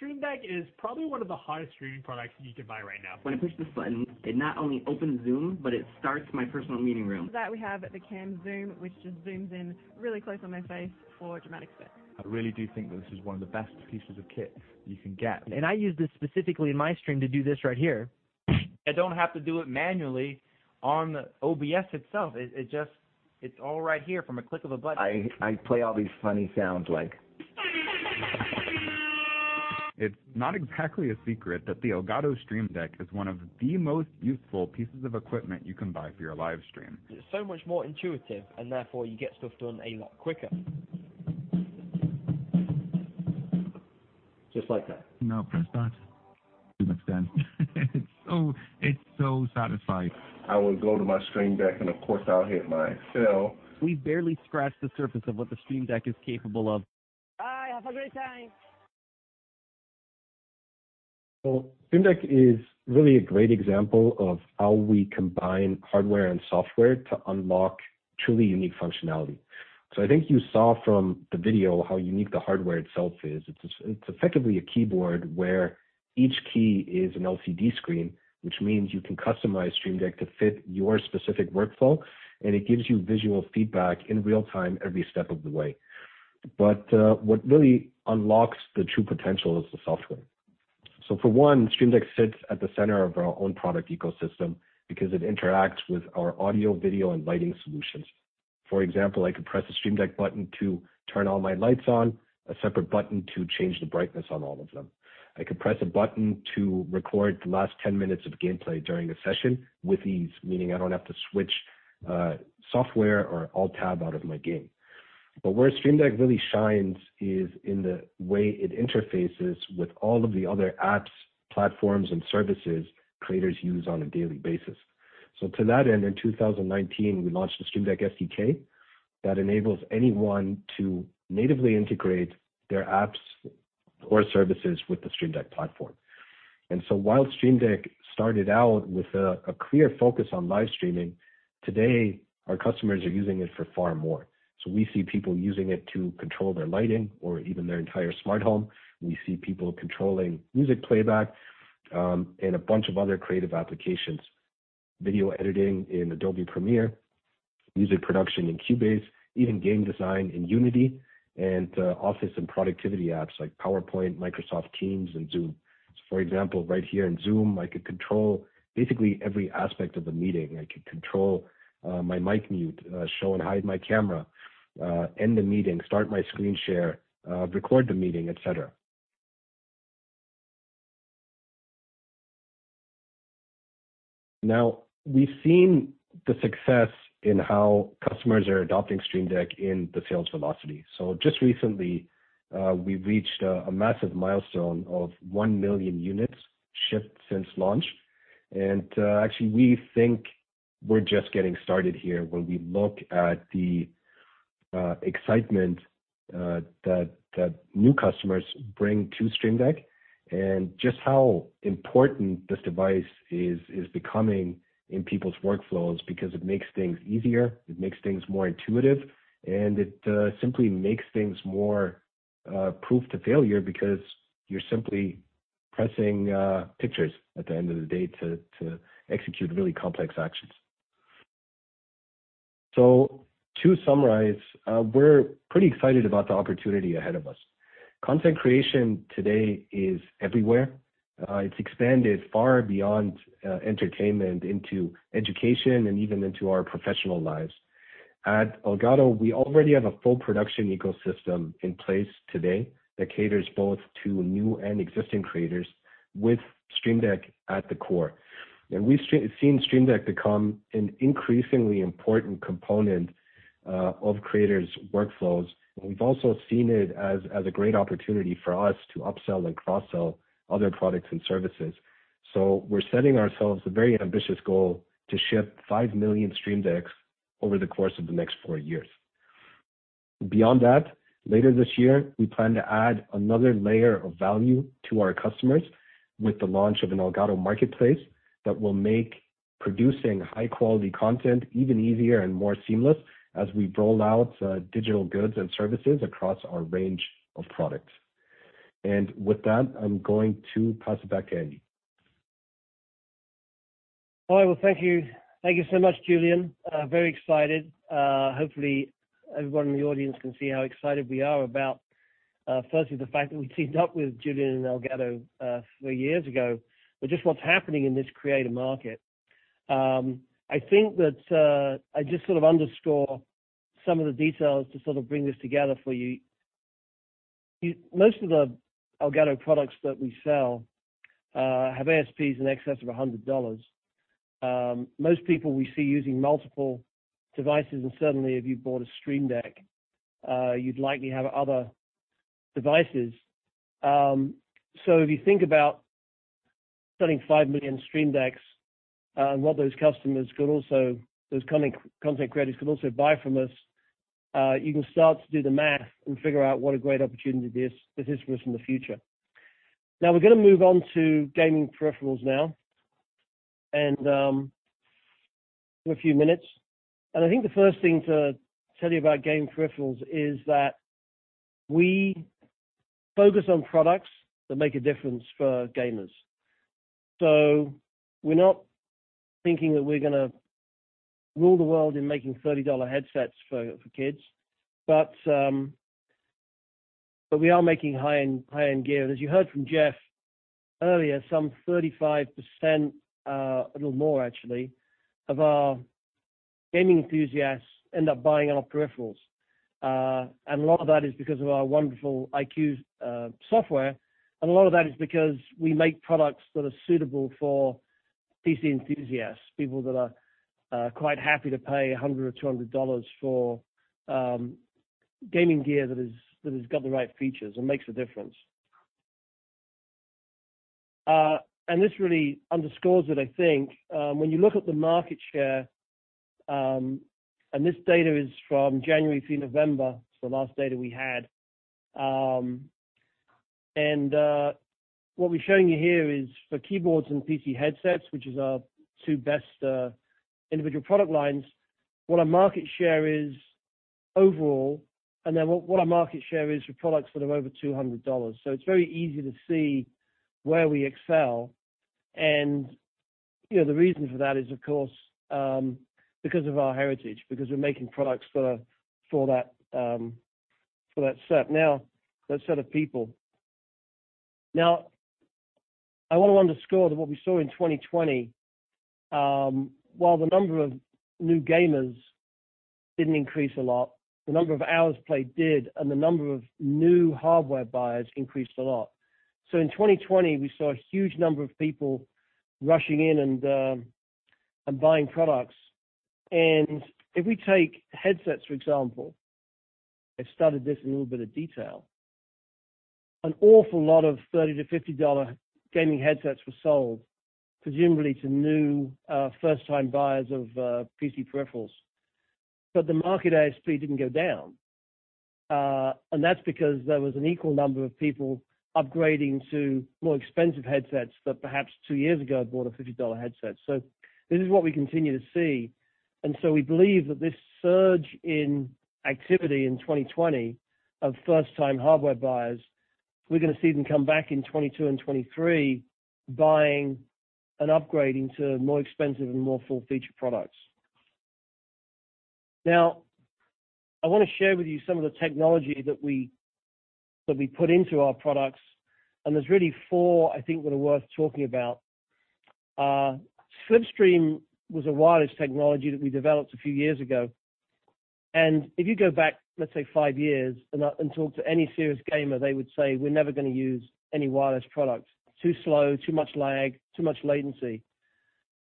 The Stream Deck is probably one of the hottest streaming products you can buy right now. When I push this button, it not only opens Zoom, but it starts my personal meeting room. That we have the cam zoom, which just zooms in really close on my face for dramatic effect. I really do think that this is one of the best pieces of kit you can get. I use this specifically in my stream to do this right here. I don't have to do it manually on OBS itself. It's all right here from a click of a button. I play all these funny sounds like it's not exactly a secret that the Elgato Stream Deck is one of the most useful pieces of equipment you can buy for your live stream. It's so much more intuitive, and therefore you get stuff done a lot quicker. Just like that. Now press that. Zoom extended. It's so, it's so satisfying. I will go to my Stream Deck, and of course I'll hit my sell. We've barely scratched the surface of what the Stream Deck is capable of. Bye. Have a great time. Stream Deck is really a great example of how we combine hardware and software to unlock truly unique functionality. I think you saw from the video how unique the hardware itself is. It's effectively a keyboard where each key is an LCD screen, which means you can customize Stream Deck to fit your specific workflow, and it gives you visual feedback in real time every step of the way. But what really unlocks the true potential is the software. For one, Stream Deck sits at the center of our own product ecosystem because it interacts with our audio video and lighting solutions. For example, I could press a Stream Deck button to turn all my lights on, a separate button to change the brightness on all of them. I could press a button to record the last 10 minutes of gameplay during a session with ease, meaning I don't have to switch, software or Alt+Tab out of my game. Where Stream Deck really shines is in the way it interfaces with all of the other apps, platforms, and services creators use on a daily basis. To that end, in 2019, we launched the Stream Deck SDK that enables anyone to natively integrate their apps or services with the Stream Deck platform. While Stream Deck started out with a clear focus on live streaming, today our customers are using it for far more. We see people using it to control their lighting or even their entire smart home. We see people controlling music playback, and a bunch of other creative applications. Video editing in Adobe Premiere, music production in Cubase, even game design in Unity, and office and productivity apps like PowerPoint, Microsoft Teams and Zoom. For example, right here in Zoom, I could control basically every aspect of the meeting. I could control my mic mute, show and hide my camera, end the meeting, start my screen share, record the meeting, et cetera. Now, we've seen the success in how customers are adopting Stream Deck in the sales velocity. Just recently, we reached a massive milestone of 1 million units shipped since launch. Actually we think we're just getting started here when we look at the excitement that new customers bring to Stream Deck, and just how important this device is becoming in people's workflows because it makes things easier, it makes things more intuitive, and it simply makes things more proof to failure because you're simply pressing pictures at the end of the day to execute really complex actions. To summarize, we're pretty excited about the opportunity ahead of us. Content creation today is everywhere. It's expanded far beyond entertainment into education and even into our professional lives. At Elgato, we already have a full production ecosystem in place today that caters both to new and existing creators with Stream Deck at the core. We've seen Stream Deck become an increasingly important component of creators' workflows. We've also seen it as a great opportunity for us to upsell and cross-sell other products and services. We're setting ourselves a very ambitious goal to ship 5 million Stream Decks over the course of the next four years. Beyond that, later this year, we plan to add another layer of value to our customers with the launch of an Elgato Marketplace that will make producing high-quality content even easier and more seamless as we roll out digital goods and services across our range of products. With that, I'm going to pass it back to Andy. All right. Well, thank you. Thank you so much, Julian. Very excited. Hopefully, everyone in the audience can see how excited we are about, firstly, the fact that we teamed up with Julian and Elgato, three years ago, but just what's happening in this creator market. I think that I just sort of underscore some of the details to sort of bring this together for you. Most of the Elgato products that we sell have ASPs in excess of $100. Most people we see using multiple devices, and suddenly, if you bought a Stream Deck, you'd likely have other devices. If you think about selling 5 million Stream Decks and what those content creators could also buy from us, you can start to do the math and figure out what a great opportunity this is for us in the future. Now, we're gonna move on to gaming peripherals now and in a few minutes. I think the first thing to tell you about gaming peripherals is that we focus on products that make a difference for gamers. We're not thinking that we're gonna rule the world in making $30 headsets for kids. We are making high-end gear. As you heard from Geoff earlier, some 35%, a little more actually, of our gaming enthusiasts end up buying our peripherals. A lot of that is because of our wonderful iCUE software. We make products that are suitable for PC enthusiasts, people that are quite happy to pay $100 or $200 for gaming gear that has got the right features and makes a difference. This really underscores it, I think. When you look at the market share, and this data is from January through November, it's the last data we had. What we're showing you here is for keyboards and PC headsets, which is our two best individual product lines, what our market share is overall, and then what our market share is for products that are over $200. It's very easy to see where we excel. You know, the reason for that is, of course, because of our heritage, because we're making products for that set now, that set of people. Now, I wanna underscore that what we saw in 2020, while the number of new gamers didn't increase a lot, the number of hours played did, and the number of new hardware buyers increased a lot. In 2020, we saw a huge number of people rushing in and buying products. If we take headsets, for example, I studied this in a little bit of detail. An awful lot of $30-$50 gaming headsets were sold, presumably to new first-time buyers of PC peripherals. The market ASP didn't go down. That's because there was an equal number of people upgrading to more expensive headsets that perhaps two years ago, bought a $50 headset. This is what we continue to see. We believe that this surge in activity in 2020 of first-time hardware buyers, we're gonna see them come back in 2022 and 2023 buying an upgrade into more expensive and more full feature products. Now, I wanna share with you some of the technology that we put into our products, and there's really four I think that are worth talking about. SLIPSTREAM was a wireless technology that we developed a few years ago. If you go back, let's say, five years and talk to any serious gamer, they would say, "We're never gonna use any wireless products. Too slow, too much lag, too much latency."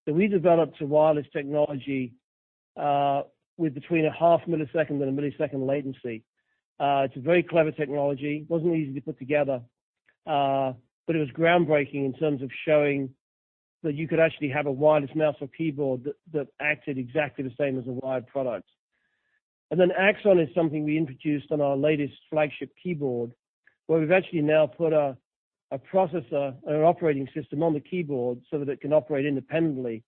We developed a wireless technology with between a half millisecond and a millisecond latency. It's a very clever technology. It wasn't easy to put together, but it was groundbreaking in terms of showing that you could actually have a wireless mouse or keyboard that acted exactly the same as a wired product. AXON is something we introduced on our latest flagship keyboard, where we've actually now put a processor or an operating system on the keyboard so that it can operate independently.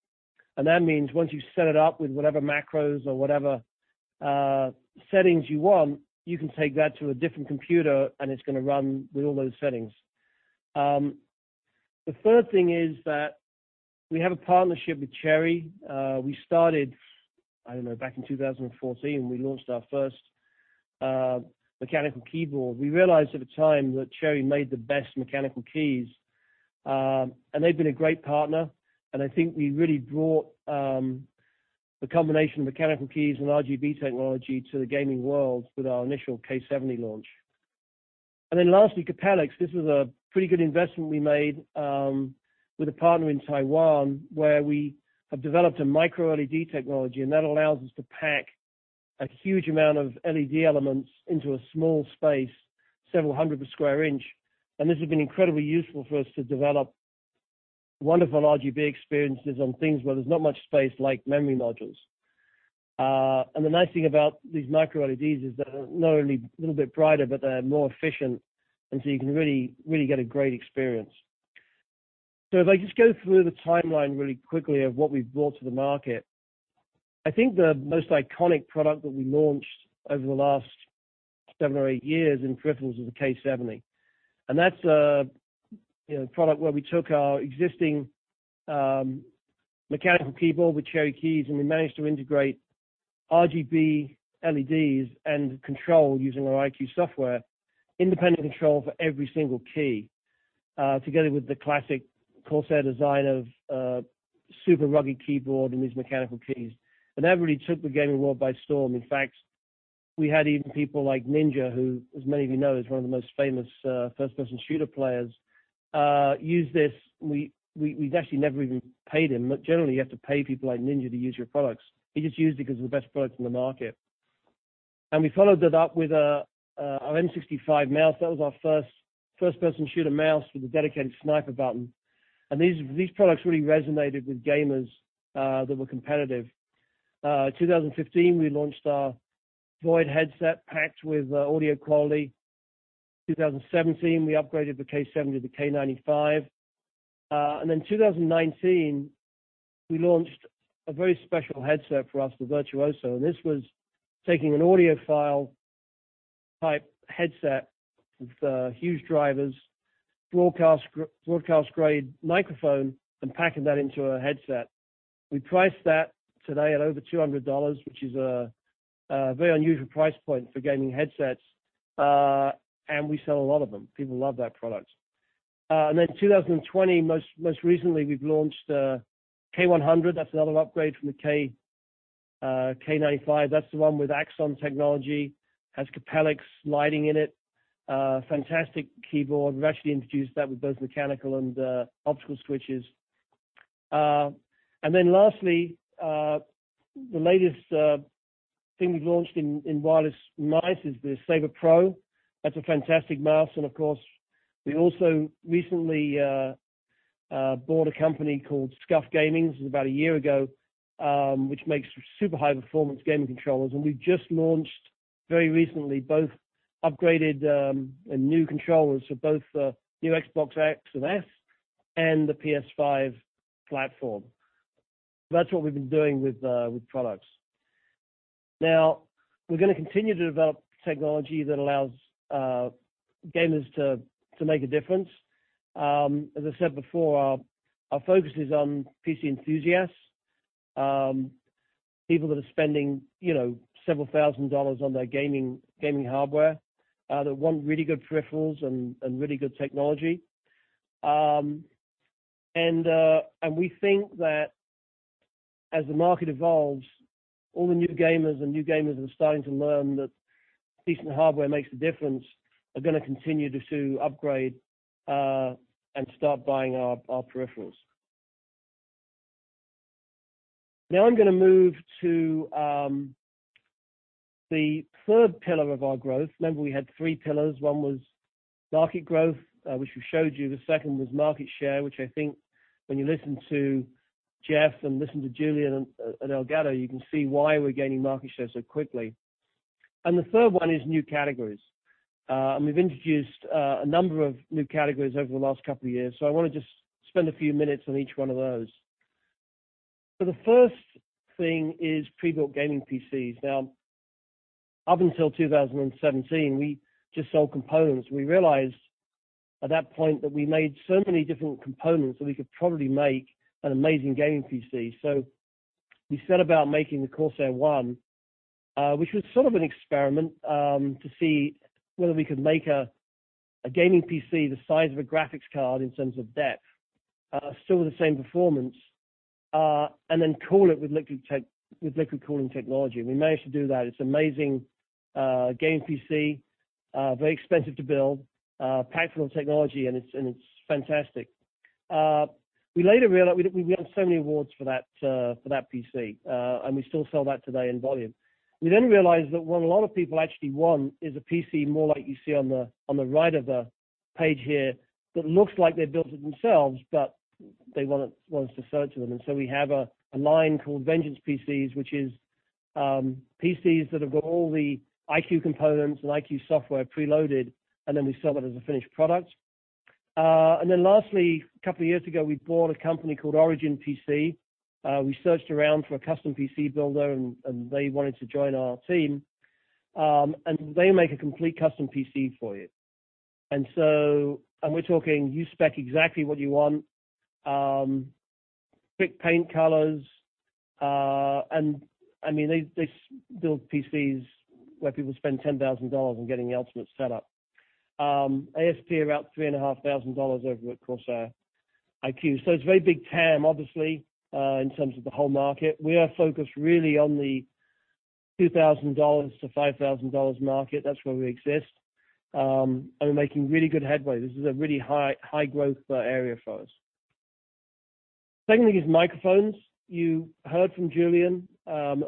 That means once you set it up with whatever macros or whatever settings you want, you can take that to a different computer, and it's gonna run with all those settings. The third thing is that we have a partnership with CHERRY. We started, I don't know, back in 2014, we launched our first mechanical keyboard. We realized at the time that Cherry made the best mechanical keys, and they've been a great partner, and I think we really brought the combination of mechanical keys and RGB technology to the gaming world with our initial K70 launch. Lastly, CAPELLIX. This was a pretty good investment we made with a partner in Taiwan, where we have developed a micro LED technology, and that allows us to pack a huge amount of LED elements into a small space, several hundred per square inch. This has been incredibly useful for us to develop wonderful RGB experiences on things where there's not much space, like memory modules. The nice thing about these micro LEDs is that they're not only a little bit brighter, but they're more efficient, and so you can really, really get a great experience. If I just go through the timeline really quickly of what we've brought to the market, I think the most iconic product that we launched over the last seven or eight years in peripherals is the K70. That's a, you know, product where we took our existing mechanical keyboard with Cherry keys, and we managed to integrate RGB LEDs and control using our iCUE software, independent control for every single key, together with the classic Corsair design of a super rugged keyboard and these mechanical keys. That really took the gaming world by storm. In fact, we had even people like Ninja, who, as many of you know, is one of the most famous first-person shooter players, use this. We'd actually never even paid him, but generally, you have to pay people like Ninja to use your products. He just used it because it was the best product on the market. We followed that up with our M65 mouse. That was our first first-person shooter mouse with a dedicated sniper button. These products really resonated with gamers that were competitive. In 2015, we launched our VOID headset packed with audio quality. In 2017, we upgraded the K70 to K95. In 2019, we launched a very special headset for us, the VIRTUOSO, and this was taking an audiophile-type headset with huge drivers, broadcast-grade microphone, and packing that into a headset. We priced that today at over $200, which is a very unusual price point for gaming headsets, and we sell a lot of them. People love that product. In 2020, most recently, we've launched K100. That's another upgrade from the K95. That's the one with AXON technology, has CAPELLIX lighting in it, fantastic keyboard. We've actually introduced that with both mechanical and optical switches. Lastly, the latest thing we've launched in wireless mice is the SABRE Pro. That's a fantastic mouse. Of course, we also recently bought a company called SCUF Gaming. This was about a year ago, which makes super high-performance gaming controllers. We've just launched very recently both upgraded and new controllers for both the new Xbox Series X and S and the PS5 platform. That's what we've been doing with products. Now, we're gonna continue to develop technology that allows gamers to make a difference. As I said before, our focus is on PC enthusiasts, people that are spending, you know, several thousand dollars on their gaming hardware, that want really good peripherals and really good technology. We think that as the market evolves, all the new gamers that are starting to learn that decent hardware makes a difference are gonna continue to upgrade and start buying our peripherals. Now I'm gonna move to the third pillar of our growth. Remember, we had three pillars. One was market growth, which we showed you. The second was market share, which I think when you listen to Geoff and listen to Julian at Elgato, you can see why we're gaining market share so quickly. The third one is new categories. We've introduced a number of new categories over the last couple of years, so I wanna just spend a few minutes on each one of those. The first thing is pre-built gaming PCs. Now, up until 2017, we just sold components. We realized at that point that we made so many different components that we could probably make an amazing gaming PC. We set about making the Corsair One, which was sort of an experiment, to see whether we could make a gaming PC the size of a graphics card in terms of depth, still with the same performance, and then cool it with liquid cooling technology, and we managed to do that. It's an amazing gaming PC, very expensive to build, packed full of technology, and it's fantastic. We later realized we won so many awards for that PC, and we still sell that today in volume. We realized that what a lot of people actually want is a PC more like you see on the right of the page here, that looks like they built it themselves, but they want us to sell it to them. We have a line called VENGEANCE PCs, which is PCs that have got all the iCUE components and iCUE software preloaded, and then we sell it as a finished product. Lastly, a couple of years ago, we bought a company called ORIGIN PC. We searched around for a custom PC builder, and they wanted to join our team. They make a complete custom PC for you. We're talking you spec exactly what you want, pick paint colors, and I mean, they build PCs where people spend $10,000 on getting the ultimate setup. ASP about $3,500 over at Corsair iCUE. It's a very big TAM, obviously, in terms of the whole market. We are focused really on the $2,000-$5,000 market. That's where we exist. We're making really good headway. This is a really high-growth area for us. Second thing is microphones. You heard from Julian Fest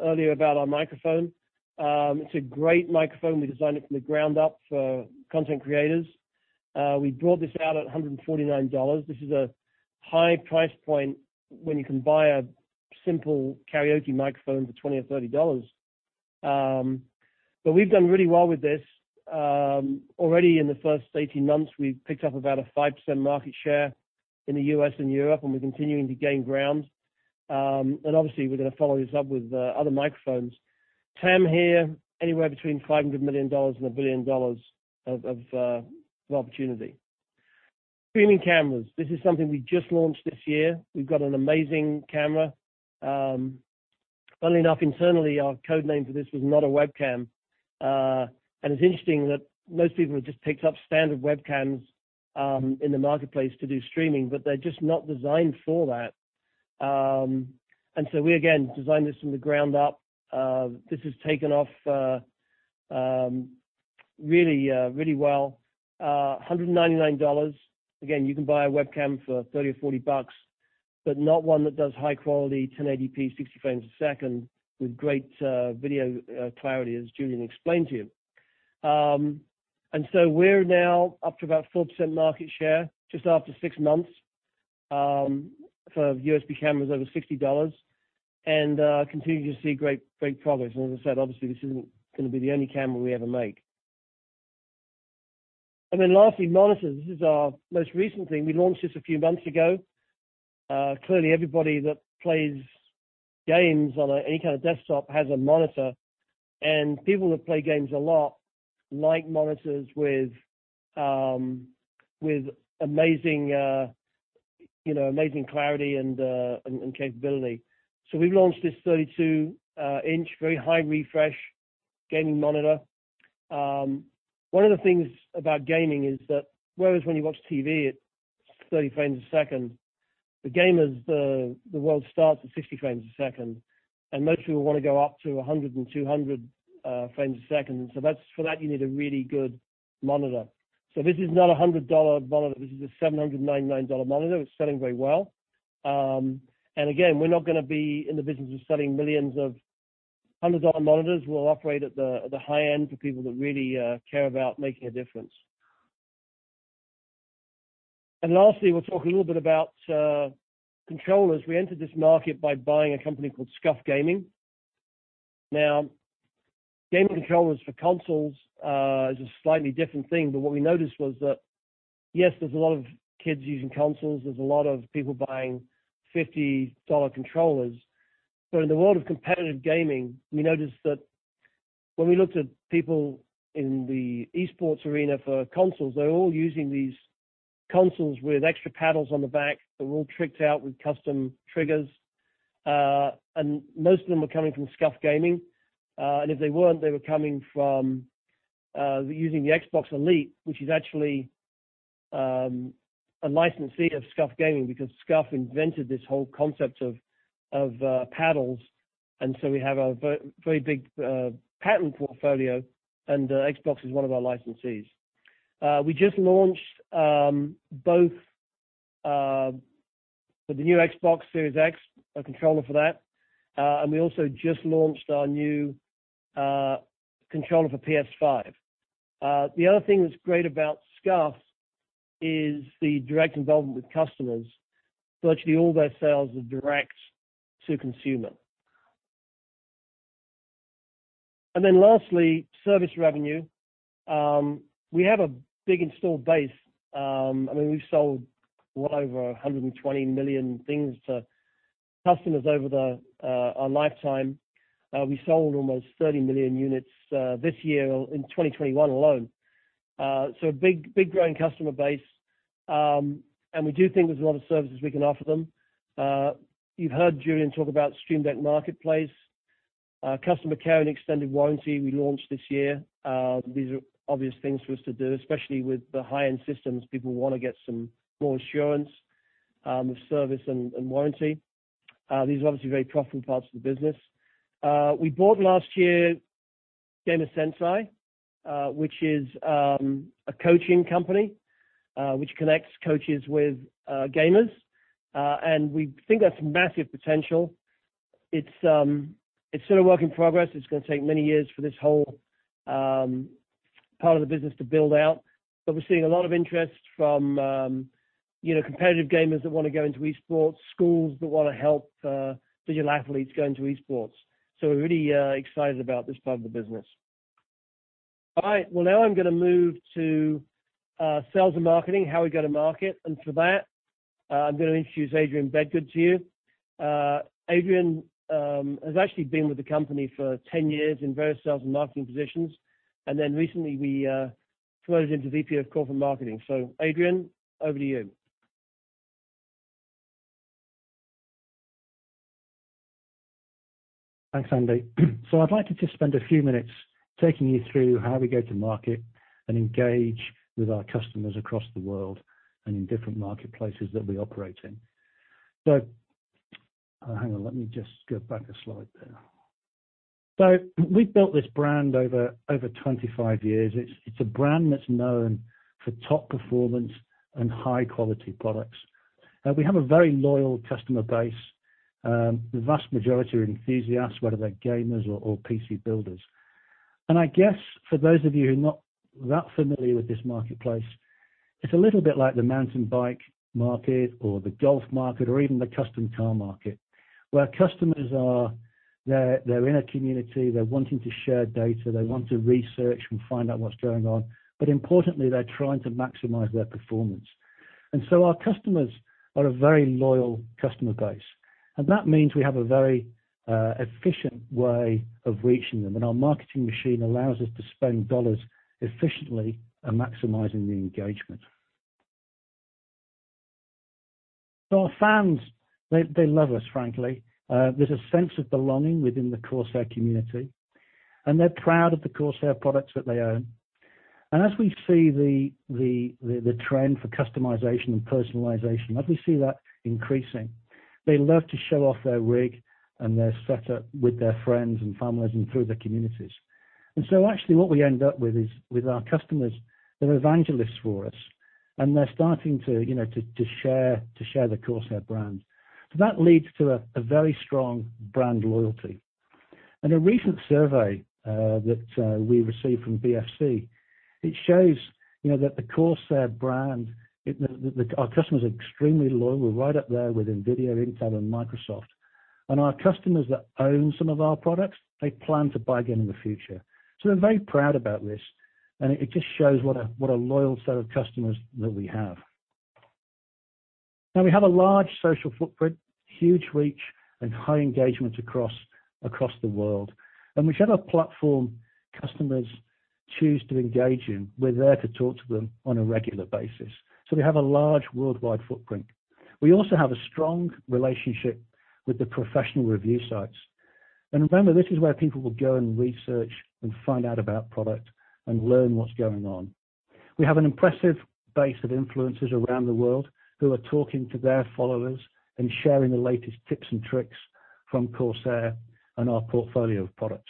earlier about our microphone. It's a great microphone. We designed it from the ground up for content creators. We brought this out at $149. This is a high price point when you can buy a simple karaoke microphone for $20 or $30. We've done really well with this. Already in the first 18 months, we've picked up about a 5% market share in the U.S. and Europe, and we're continuing to gain ground. Obviously, we're gonna follow this up with other microphones. TAM here, anywhere between $500 million and $1 billion of opportunity. Streaming cameras. This is something we just launched this year. We've got an amazing camera. Funnily enough, internally, our code name for this was Not a Webcam. It's interesting that most people have just picked up standard webcams in the marketplace to do streaming, but they're just not designed for that. We again designed this from the ground up. This has taken off really well. $199. Again, you can buy a webcam for 30 or 40 bucks, but not one that does high quality 1080p, 60 frames a second with great video clarity, as Julian explained to you. We're now up to about 4% market share just after six months for USB cameras over $60, and continue to see great progress. As I said, obviously, this isn't gonna be the only camera we ever make. Then lastly, monitors. This is our most recent thing. We launched this a few months ago. Clearly everybody that plays games on any kind of desktop has a monitor. People that play games a lot like monitors with amazing, you know, amazing clarity and capability. We've launched this 32-inch very high refresh gaming monitor. One of the things about gaming is that whereas when you watch TV, it's 30 frames a second, the gamers, the world starts at 60 frames a second, and most people wanna go up to 100 and 200 frames a second. That's for that, you need a really good monitor. This is not a $100 monitor. This is a $799 monitor. It's selling very well. Again, we're not gonna be in the business of selling millions of $100 monitors. We'll operate at the high end for people that really care about making a difference. Lastly, we'll talk a little bit about controllers. We entered this market by buying a company called SCUF Gaming. Now, game controllers for consoles is a slightly different thing. What we noticed was that, yes, there's a lot of kids using consoles, there's a lot of people buying $50 controllers. In the world of competitive gaming, we noticed that when we looked at people in the esports arena for consoles, they're all using these consoles with extra paddles on the back. They're all tricked out with custom triggers, and most of them were coming from SCUF Gaming. And if they weren't, they were coming from using the Xbox Elite, which is actually a licensee of SCUF Gaming because SCUF invented this whole concept of paddles. We have a very big patent portfolio, and Xbox is one of our licensees. We just launched both for the new Xbox Series X, a controller for that, and we also just launched our new controller for PS5. The other thing that's great about SCUF is the direct involvement with customers. Virtually all their sales are direct to consumer. Then lastly, service revenue. We have a big installed base. I mean, we've sold well over 120 million things to customers over our lifetime. We sold almost 30 million units this year in 2021 alone. Big growing customer base, and we do think there's a lot of services we can offer them. You've heard Julian talk about Stream Deck Marketplace, customer care and extended warranty we launched this year. These are obvious things for us to do, especially with the high-end systems. People wanna get some more assurance with service and warranty. These are obviously very profitable parts of the business. We bought last year Gamer Sensei, which is a coaching company which connects coaches with gamers. We think that's massive potential. It's still a work in progress. It's gonna take many years for this whole part of the business to build out. We're seeing a lot of interest from you know, competitive gamers that wanna go into esports, schools that wanna help digital athletes go into esports. We're really excited about this part of the business. All right, well, now I'm gonna move to sales and marketing, how we're gonna market. For that, I'm gonna introduce Adrian Bedggood to you. Adrian has actually been with the company for 10 years in various sales and marketing positions, and then recently we promoted him to VP of Corporate Marketing. Adrian, over to you. Thanks, Andy. I'd like to just spend a few minutes taking you through how we go to market and engage with our customers across the world and in different marketplaces that we operate in. Hang on, let me just go back a slide there. We've built this brand over 25 years. It's a brand that's known for top performance and high-quality products. We have a very loyal customer base, the vast majority are enthusiasts, whether they're gamers or PC builders. I guess for those of you who are not that familiar with this marketplace, it's a little bit like the mountain bike market or the golf market or even the custom car market, where customers are in a community, they're wanting to share data, they want to research and find out what's going on, but importantly, they're trying to maximize their performance. Our customers are a very loyal customer base, and that means we have a very efficient way of reaching them. Our marketing machine allows us to spend dollars efficiently and maximizing the engagement. Our fans, they love us, frankly. There's a sense of belonging within the Corsair community, and they're proud of the Corsair products that they own. As we see the trend for customization and personalization, as we see that increasing, they love to show off their rig and their setup with their friends and families and through their communities. Actually what we end up with is, with our customers, they're evangelists for us, and they're starting to, you know, to share the Corsair brand. That leads to a very strong brand loyalty. A recent survey that we received from DFC, it shows, you know, that the Corsair brand, our customers are extremely loyal. We're right up there with NVIDIA, Intel, and Microsoft. Our customers that own some of our products, they plan to buy again in the future. We're very proud about this, and it just shows what a loyal set of customers that we have. Now we have a large social footprint, huge reach, and high engagement across the world. Whichever platform customers choose to engage in, we're there to talk to them on a regular basis. We have a large worldwide footprint. We also have a strong relationship with the professional review sites. Remember, this is where people will go and research and find out about product and learn what's going on. We have an impressive base of influencers around the world who are talking to their followers and sharing the latest tips and tricks from Corsair and our portfolio of products.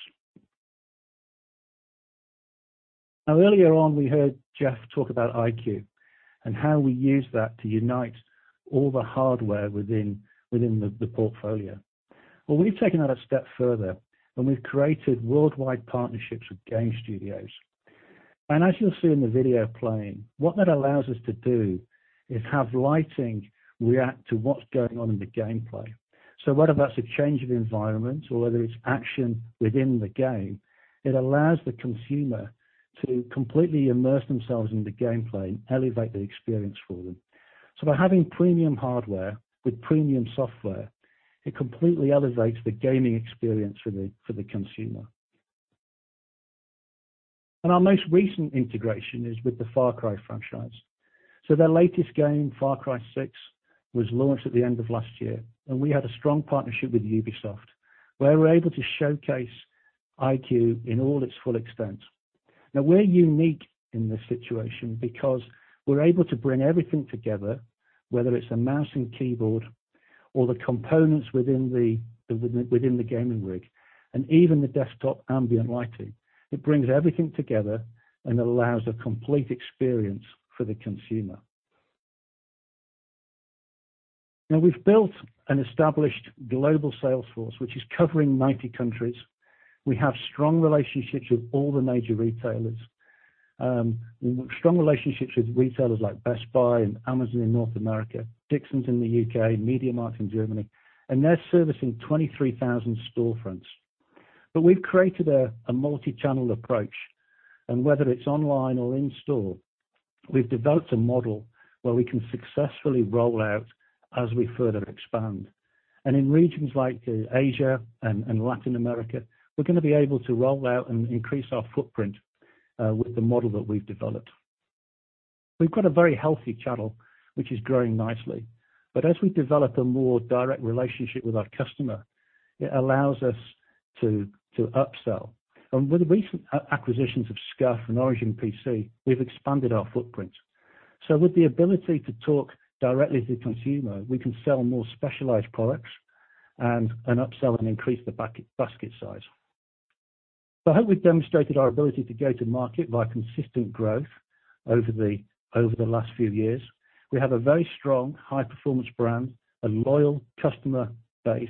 Now, earlier on, we heard Geoff talk about iCUE and how we use that to unite all the hardware within the portfolio. Well, we've taken that a step further, and we've created worldwide partnerships with game studios. As you'll see in the video playing, what that allows us to do is have lighting react to what's going on in the gameplay. Whether that's a change of environment or whether it's action within the game, it allows the consumer to completely immerse themselves in the gameplay and elevate the experience for them. By having premium hardware with premium software, it completely elevates the gaming experience for the consumer. Our most recent integration is with the Far Cry franchise. Their latest game, Far Cry 6, was launched at the end of last year, and we had a strong partnership with Ubisoft, where we're able to showcase iCUE in all its full extent. Now, we're unique in this situation because we're able to bring everything together, whether it's a mouse and keyboard or the components within the gaming rig, and even the desktop ambient lighting. It brings everything together and allows a complete experience for the consumer. Now we've built an established global sales force, which is covering 90 countries. We have strong relationships with all the major retailers. Strong relationships with retailers like Best Buy and Amazon in North America, Dixons in the U.K., MediaMarkt in Germany, and they're servicing 23,000 storefronts. We've created a multi-channel approach, and whether it's online or in-store, we've developed a model where we can successfully roll out as we further expand. In regions like Asia and Latin America, we're gonna be able to roll out and increase our footprint with the model that we've developed. We've got a very healthy channel which is growing nicely. As we develop a more direct relationship with our customer, it allows us to upsell. With the recent acquisitions of SCUF and ORIGIN PC, we've expanded our footprint. With the ability to talk directly to consumer, we can sell more specialized products and upsell and increase the basket size. I hope we've demonstrated our ability to go to market by consistent growth over the last few years. We have a very strong high performance brand, a loyal customer base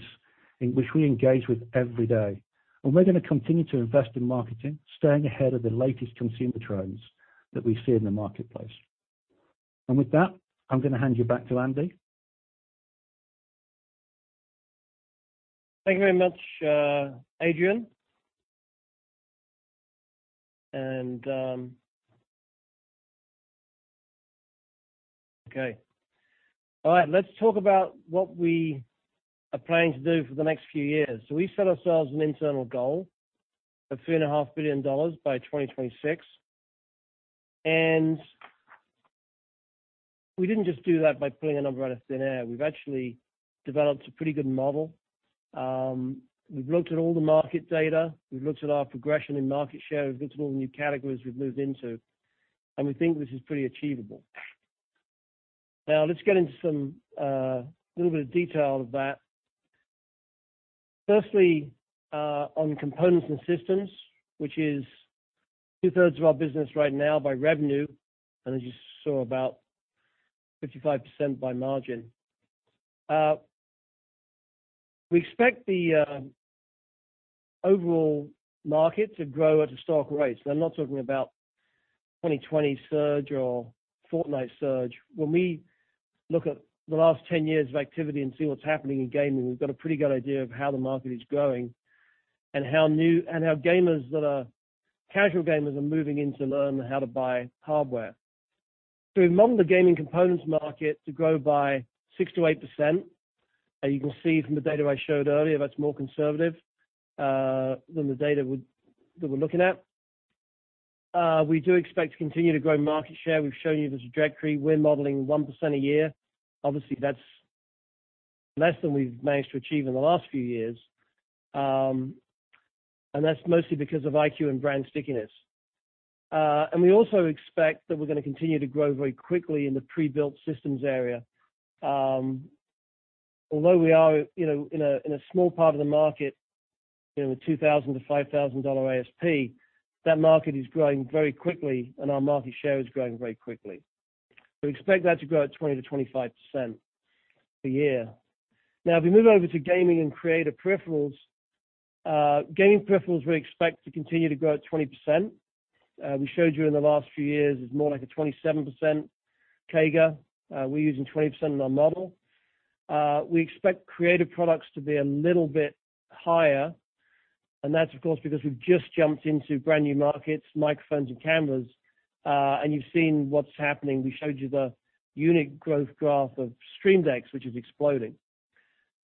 in which we engage with every day. We're gonna continue to invest in marketing, staying ahead of the latest consumer trends that we see in the marketplace. With that, I'm gonna hand you back to Andy. Thank you very much, Adrian. Let's talk about what we are planning to do for the next few years. We set ourselves an internal goal of $3.5 billion by 2026. We didn't just do that by pulling a number out of thin air. We've actually developed a pretty good model. We've looked at all the market data, we've looked at our progression in market share, we've looked at all the new categories we've moved into, and we think this is pretty achievable. Now, let's get into some little bit of detail of that. Firstly, on components and systems, which is 2/3 of our business right now by revenue, and as you saw about 55% by margin. We expect the overall market to grow at historical rates. We're not talking about 2020 surge or Fortnite surge. When we look at the last 10 years of activity and see what's happening in gaming, we've got a pretty good idea of how the market is growing and how new and how gamers that are casual gamers are moving in to learn how to buy hardware. We model the gaming components market to grow by 6%-8%. As you can see from the data I showed earlier, that's more conservative than the data we're looking at. We do expect to continue to grow market share. We've shown you this trajectory. We're modeling 1% a year. Obviously, that's less than we've managed to achieve in the last few years, and that's mostly because of iCUE and brand stickiness. We also expect that we're gonna continue to grow very quickly in the pre-built systems area. Although we are, you know, in a small part of the market, in the $2000-$5000 ASP, that market is growing very quickly and our market share is growing very quickly. We expect that to grow at 20%-25% a year. Now, if we move over to gaming and creative peripherals, gaming peripherals, we expect to continue to grow at 20%. We showed you in the last few years, it's more like a 27% CAGR. We're using 20% in our model. We expect creative products to be a little bit higher, and that's of course, because we've just jumped into brand new markets, microphones and cameras, and you've seen what's happening. We showed you the unit growth graph of Stream Decks, which is exploding.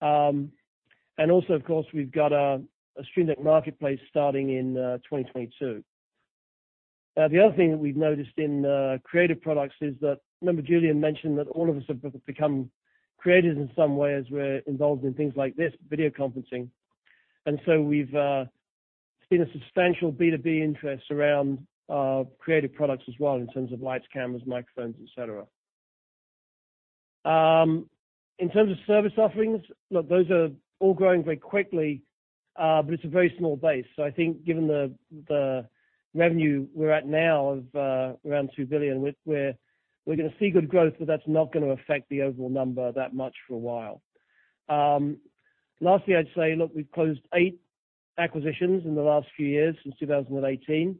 Also, of course, we've got a Stream Deck marketplace starting in 2022. The other thing that we've noticed in creative products is that, remember Julian mentioned that all of us have become creative in some way as we're involved in things like this, video conferencing. We've seen a substantial B2B interest around creative products as well in terms of lights, cameras, microphones, et cetera. In terms of service offerings, look, those are all growing very quickly, but it's a very small base. I think given the revenue we're at now of around $2 billion, we're gonna see good growth, but that's not gonna affect the overall number that much for a while. Lastly, I'd say, look, we've closed eight acquisitions in the last few years since 2018.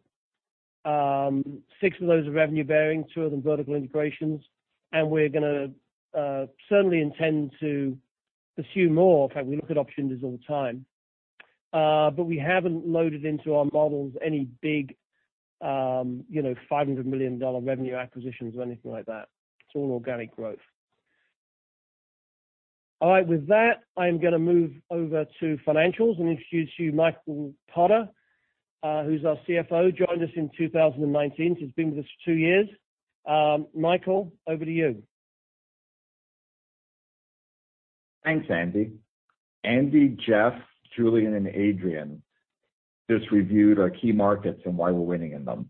Six of those are revenue bearing, two of them vertical integrations, and we're gonna certainly intend to pursue more. In fact, we look at options all the time. But we haven't loaded into our models any big, you know, $500 million revenue acquisitions or anything like that. It's all organic growth. All right. With that, I'm gonna move over to financials and introduce you to Michael G. Potter, who's our CFO. Joined us in 2019, so he's been with us for two years. Michael, over to you. Thanks, Andy. Andy, Geoff, Julian, and Adrian just reviewed our key markets and why we're winning in them.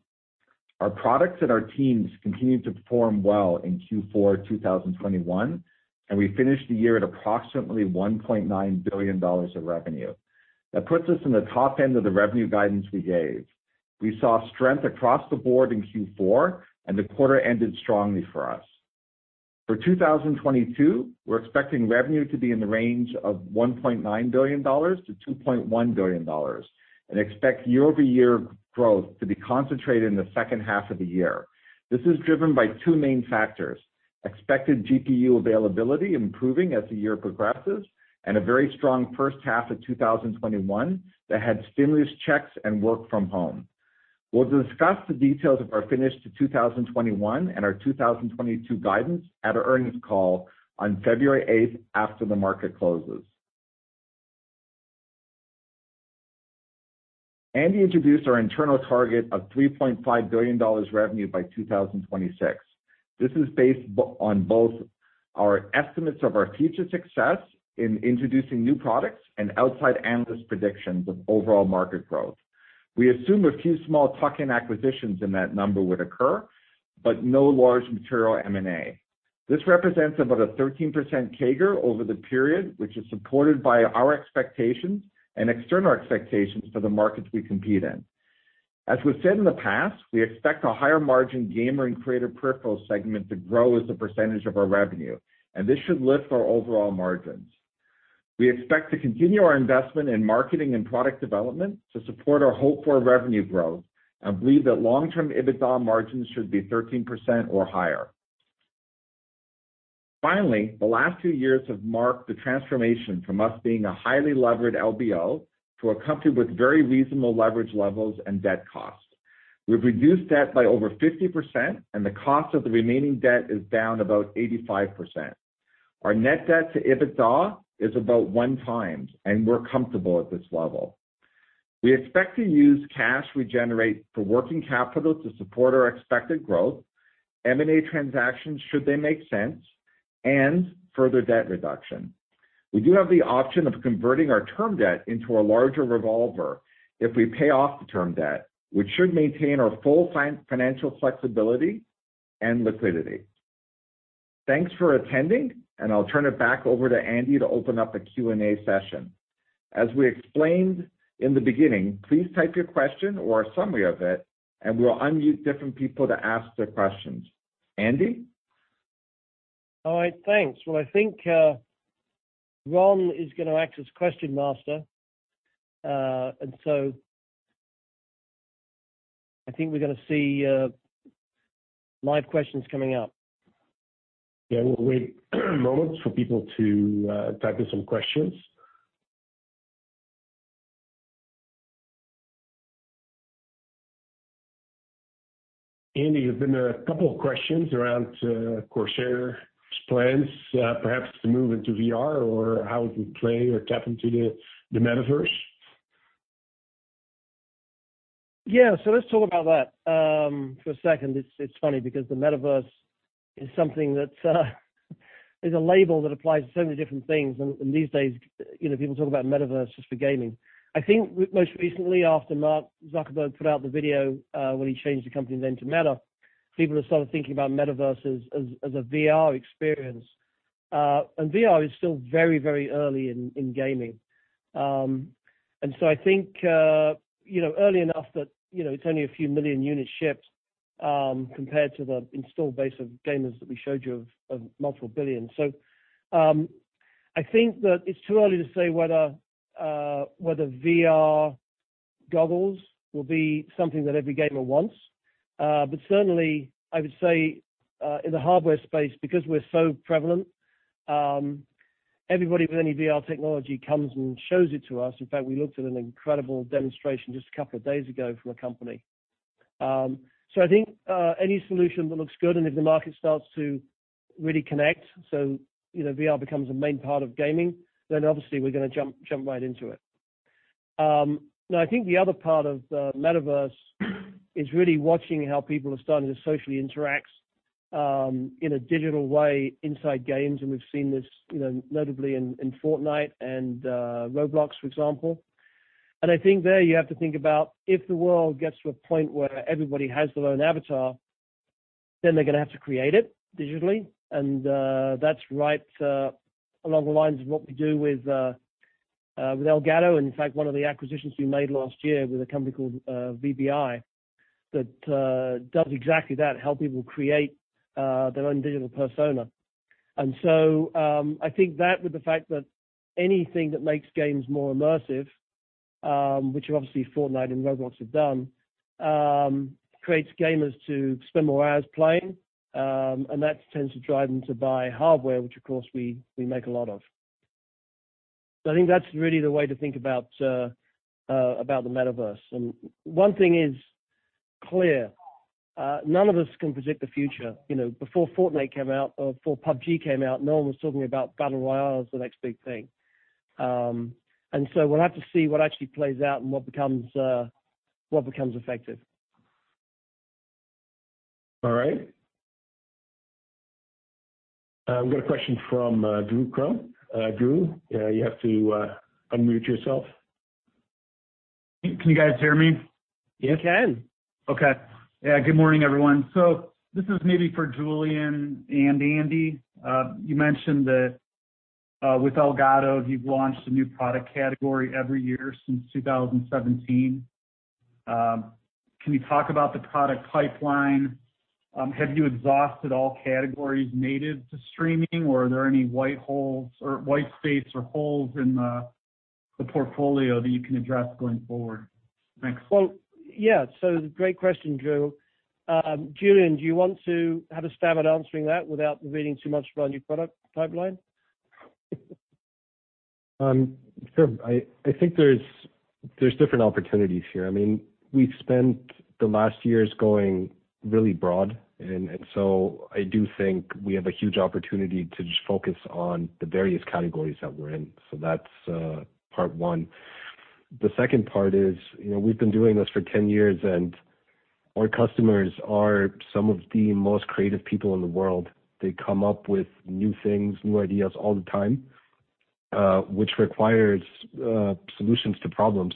Our products and our teams continued to perform well in Q4 2021, and we finished the year at approximately $1.9 billion of revenue. That puts us in the top end of the revenue guidance we gave. We saw strength across the board in Q4, and the quarter ended strongly for us. For 2022, we're expecting revenue to be in the range of $1.9 billion-$2.1 billion and expect year-over-year growth to be concentrated in the second half of the year. This is driven by two main factors. Expected GPU availability improving as the year progresses, and a very strong first half of 2021 that had stimulus checks and work from home. We'll discuss the details of our finish to 2021 and our 2022 guidance at our earnings call on February 8th after the market closes. Andy introduced our internal target of $3.5 billion revenue by 2026. This is based on both our estimates of our future success in introducing new products and outside analyst predictions of overall market growth. We assume a few small tuck-in acquisitions in that number would occur, but no large material M&A. This represents about a 13% CAGR over the period, which is supported by our expectations and external expectations for the markets we compete in. As we've said in the past, we expect a higher margin gamer and creative peripherals segment to grow as a percentage of our revenue, and this should lift our overall margins. We expect to continue our investment in marketing and product development to support our hope for revenue growth, and believe that long-term EBITDA margins should be 13% or higher. Finally, the last two years have marked the transformation from us being a highly levered LBO to a company with very reasonable leverage levels and debt costs. We've reduced debt by over 50%, and the cost of the remaining debt is down about 85%. Our net debt to EBITDA is about 1x, and we're comfortable at this level. We expect to use cash we generate for working capital to support our expected growth, M&A transactions should they make sense, and further debt reduction. We do have the option of converting our term debt into a larger revolver if we pay off the term debt, which should maintain our full financial flexibility and liquidity. Thanks for attending, and I'll turn it back over to Andy to open up the Q&A session. As we explained in the beginning, please type your question or a summary of it, and we'll unmute different people to ask their questions. Andy? All right, thanks. Well, I think Ron is gonna act as question master. I think we're gonna see live questions coming up. Yeah, we'll wait a moment for people to type in some questions. Andy, there's been a couple of questions around Corsair's plans, perhaps to move into VR or how it would play or tap into the metaverse. Yeah. Let's talk about that for a second. It's funny because the metaverse is something that's a label that applies to so many different things. These days, you know, people talk about metaverse just for gaming. I think most recently after Mark Zuckerberg put out the video when he changed the company then to Meta, people have started thinking about metaverse as a VR experience. VR is still very early in gaming. I think you know early enough that you know it's only a few million units shipped compared to the installed base of gamers that we showed you of multiple billion. I think that it's too early to say whether VR goggles will be something that every gamer wants. Certainly I would say in the hardware space because we're so prevalent, everybody with any VR technology comes and shows it to us. In fact, we looked at an incredible demonstration just a couple of days ago from a company. I think any solution that looks good and if the market starts to really connect, so you know, VR becomes a main part of gaming, then obviously we're gonna jump right into it. Now I think the other part of the metaverse is really watching how people are starting to socially interact in a digital way inside games. We've seen this, you know, notably in Fortnite and Roblox for example. I think there you have to think about if the world gets to a point where everybody has their own avatar, then they're gonna have to create it digitally. That's right along the lines of what we do with Elgato. In fact, one of the acquisitions we made last year with a company called VBI that does exactly that, help people create their own digital persona. I think that with the fact that anything that makes games more immersive, which obviously Fortnite and Roblox have done, creates gamers to spend more hours playing. That tends to drive them to buy hardware, which of course we make a lot of. I think that's really the way to think about the metaverse. One thing is clear. None of us can predict the future. You know, before Fortnite came out or before PUBG came out, no one was talking about battle royale as the next big thing. We'll have to see what actually plays out and what becomes effective. All right. We've got a question from Drew Crum. Drew, you have to unmute yourself. Can you guys hear me? We can. Okay. Yeah, good morning everyone. This is maybe for Julian and Andy. You mentioned that with Elgato you've launched a new product category every year since 2017. Can you talk about the product pipeline? Have you exhausted all categories native to streaming or are there any white space or holes in the portfolio that you can address going forward? Thanks. Well, yeah. Great question, Drew. Julian, do you want to have a stab at answering that without revealing too much about our new product pipeline? Sure. I think there's different opportunities here. I mean, we've spent the last years going really broad and so I do think we have a huge opportunity to just focus on the various categories that we're in. That's part one. The second part is, you know, we've been doing this for 10 years and our customers are some of the most creative people in the world. They come up with new things, new ideas all the time, which requires solutions to problems.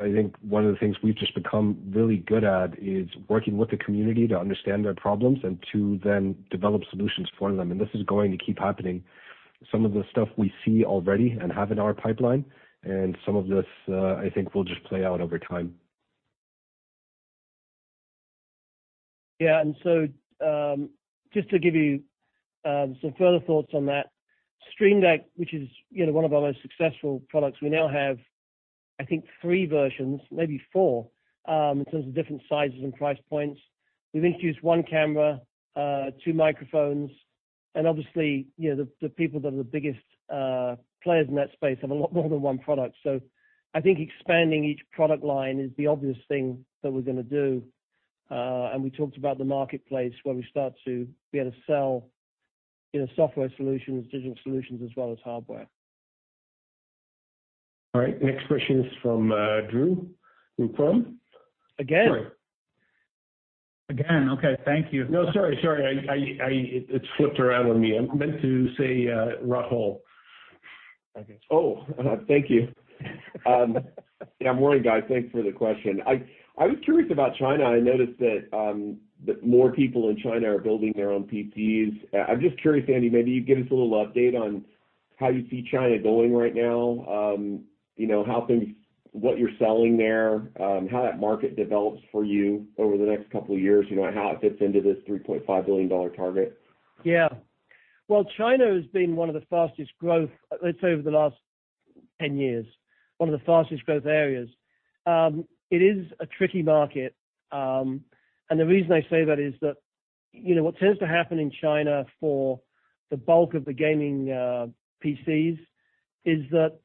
I think one of the things we've just become really good at is working with the community to understand their problems and to then develop solutions for them. This is going to keep happening. Some of the stuff we see already and have in our pipeline and some of this, I think will just play out over time. Yeah. Just to give you some further thoughts on that, Stream Deck, which is, you know, one of our most successful products, we now have, I think, three versions, maybe four, in terms of different sizes and price points. We've introduced one camera, two microphones, and obviously, you know, the people that are the biggest players in that space have a lot more than one product. I think expanding each product line is the obvious thing that we're gonna do. We talked about the marketplace, where we start to be able to sell, you know, software solutions, digital solutions, as well as hardware. All right. Next question is from Drew Crum. Again. Sorry. Again. Okay, thank you. No, sorry. It flipped around on me. I meant to say, Rahul, I think. Oh, thank you. Yeah, morning, guys. Thanks for the question. I was curious about China. I noticed that more people in China are building their own PCs. I'm just curious, Andy. Maybe you give us a little update on how you see China going right now. You know, what you're selling there, how that market develops for you over the next couple of years, you know, and how it fits into this $3.5 billion target. Yeah. Well, China has been one of the fastest growth, let's say, over the last 10 years, one of the fastest growth areas. It is a tricky market. The reason I say that is that, you know, what tends to happen in China for the bulk of the gaming PCs is that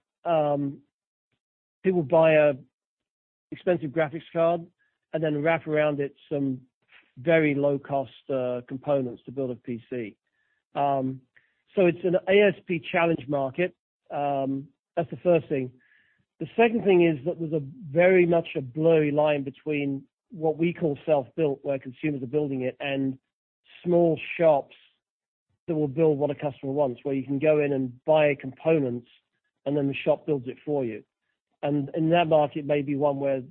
people buy an expensive graphics card and then wrap around it some very low cost components to build a PC. So it's an ASP challenge market. That's the first thing. The second thing is that there's very much a blurry line between what we call self-built, where consumers are building it, and small shops that will build what a customer wants, where you can go in and buy components, and then the shop builds it for you. In that market may be one where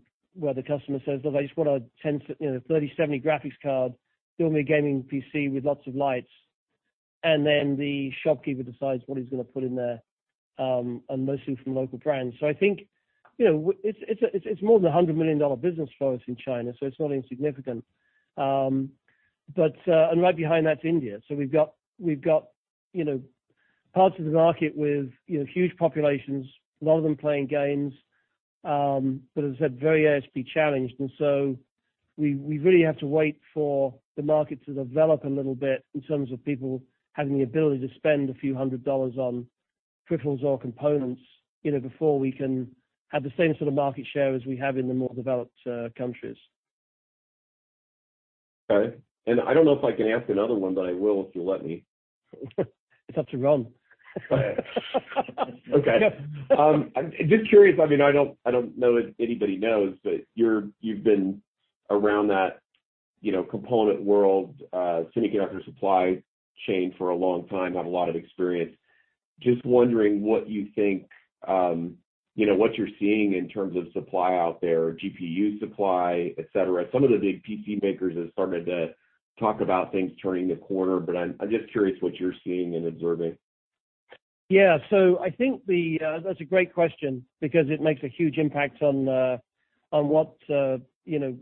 the customer says, "Look, I just want a 10, you know, 37 graphics card, build me a gaming PC with lots of lights." Then the shopkeeper decides what he's gonna put in there, and mostly from local brands. I think, you know, it's a, it's more than a $100 million business for us in China, so it's not insignificant. Right behind that's India. We've got, you know, parts of the market with, you know, huge populations, a lot of them playing games, but as I said, very ASP challenged. We really have to wait for the market to develop a little bit in terms of people having the ability to spend a few hundred dollars on peripherals or components, you know, before we can have the same sort of market share as we have in the more developed countries. Okay. I don't know if I can ask another one, but I will if you'll let me. It's up to Ron. Okay. Just curious, I mean, I don't know if anybody knows, but you've been around that, you know, component world, semiconductor supply chain for a long time, have a lot of experience. Just wondering what you think, you know, what you're seeing in terms of supply out there, GPU supply, et cetera. Some of the big PC makers have started to talk about things turning the corner, but I'm just curious what you're seeing and observing. That's a great question because it makes a huge impact on what builders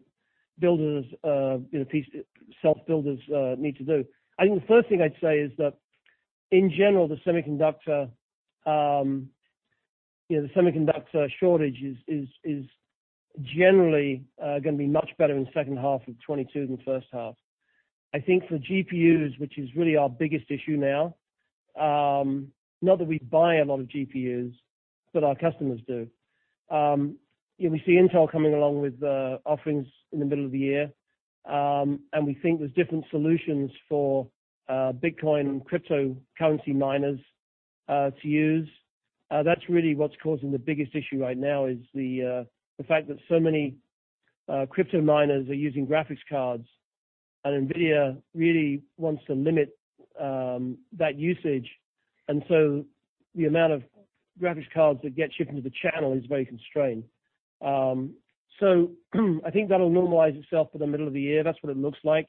PC self-builders need to do. I think the first thing I'd say is that in general, the semiconductor shortage is generally gonna be much better in second half of 2022 than first half. I think for GPUs, which is really our biggest issue now, not that we buy a lot of GPUs, but our customers do. We see Intel coming along with offerings in the middle of the year. We think there's different solutions for Bitcoin cryptocurrency miners to use. That's really what's causing the biggest issue right now is the fact that so many crypto miners are using graphics cards, and NVIDIA really wants to limit that usage. The amount of graphics cards that get shipped into the channel is very constrained. I think that'll normalize itself by the middle of the year. That's what it looks like.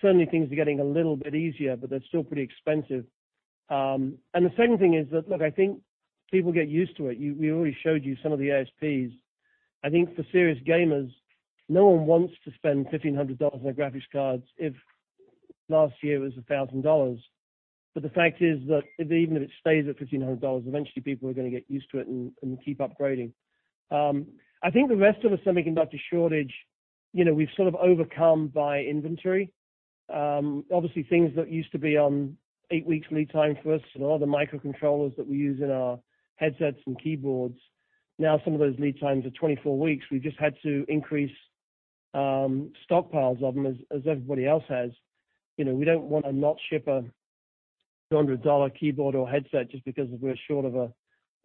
Certainly, things are getting a little bit easier, but they're still pretty expensive. The second thing is that, look, I think people get used to it. We already showed you some of the ASPs. I think for serious gamers, no one wants to spend $1,500 on their graphics cards if last year was $1,000. The fact is that if it stays at $1,500, eventually people are gonna get used to it and keep upgrading. I think the rest of the semiconductor shortage, you know, we've sort of overcome by inventory. Obviously things that used to be on eight weeks lead time for us and a lot of the microcontrollers that we use in our headsets and keyboards, now some of those lead times are 24 weeks. We've just had to increase stockpiles of them as everybody else has. You know, we don't wanna not ship a $200 keyboard or headset just because we're short of a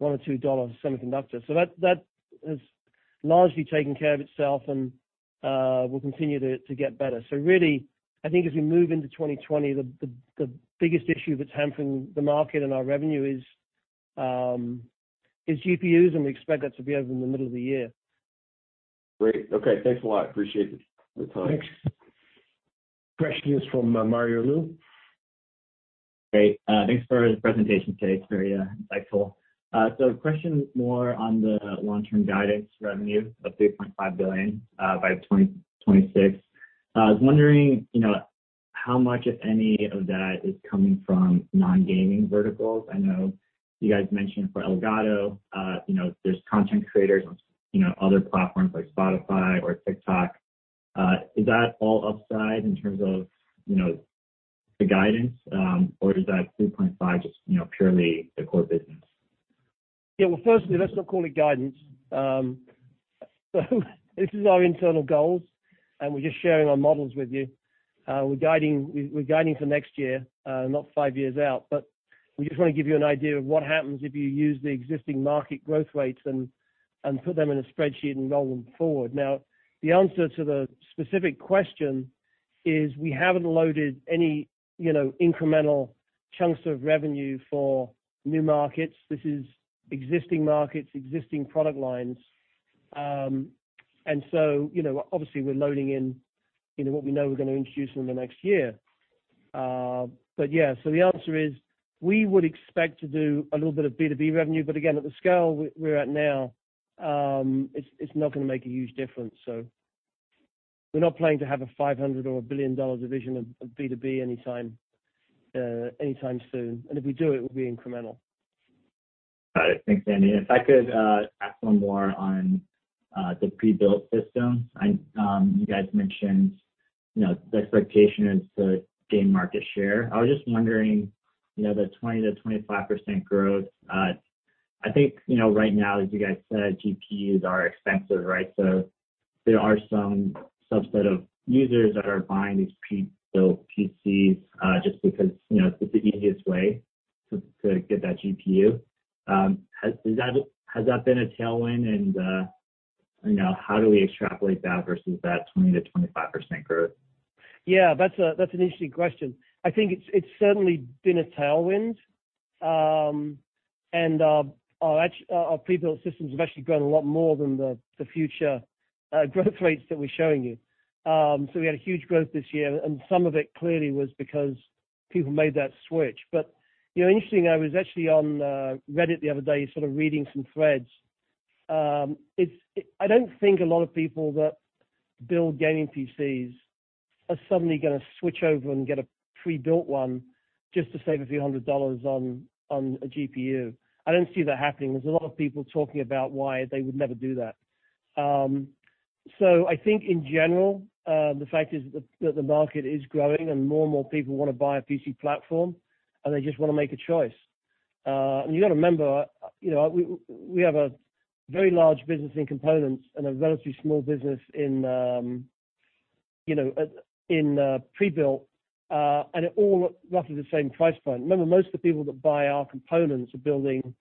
$1 or $2 semiconductor. That has largely taken care of itself and will continue to get better. Really, I think as we move into 2020, the biggest issue that's hampering the market and our revenue is GPUs, and we expect that to be over in the middle of the year. Great. Okay. Thanks a lot. Appreciate the time. Thanks. Question is from Mario Lu. Great. Thanks for the presentation today. It's very insightful. Question more on the long-term guidance revenue of $3.5 billion by 2026. I was wondering, you know, how much, if any of that is coming from non-gaming verticals. I know you guys mentioned for Elgato, you know, there's content creators on, you know, other platforms like Spotify or TikTok. Is that all upside in terms of, you know, the guidance, or is that $3.5 just, you know, purely the core business? Yeah. Well, firstly, let's not call it guidance. This is our internal goals, and we're just sharing our models with you. We're guiding for next year, not five years out, but we just want to give you an idea of what happens if you use the existing market growth rates and put them in a spreadsheet and roll them forward. Now, the answer to the specific question is we haven't loaded any, you know, incremental chunks of revenue for new markets. This is existing markets, existing product lines. You know, obviously we're loading in, you know, what we know we're gonna introduce in the next year. Yeah. The answer is we would expect to do a little bit of B2B revenue, but again, at the scale we're at now, it's not gonna make a huge difference. We're not planning to have a $500 or a $1 billion-dollar division of B2B anytime soon. If we do, it will be incremental. Got it. Thanks, Andy. If I could ask one more on the prebuilt system. You guys mentioned, you know, the expectation is to gain market share. I was just wondering, you know, the 20%-25% growth. I think, you know, right now, as you guys said, GPUs are expensive, right? So there are some subset of users that are buying these pre-built PCs just because, you know, it's the easiest way to get that GPU. Has that been a tailwind? You know, how do we extrapolate that versus that 20%-25% growth? Yeah, that's an interesting question. I think it's certainly been a tailwind. Our prebuilt systems have actually grown a lot more than the future growth rates that we're showing you. We had a huge growth this year, and some of it clearly was because people made that switch. You know, interestingly, I was actually on Reddit the other day, sort of reading some threads. I don't think a lot of people that build gaming PCs are suddenly gonna switch over and get a prebuilt one just to save a few hundred dollars on a GPU. I don't see that happening. There's a lot of people talking about why they would never do that. I think in general, the fact is that the market is growing and more and more people wanna buy a PC platform, and they just wanna make a choice. You got to remember, you know, we have a very large business in components and a relatively small business in, you know, in prebuilt, and at all roughly the same price point. Remember, most of the people that buy our components are building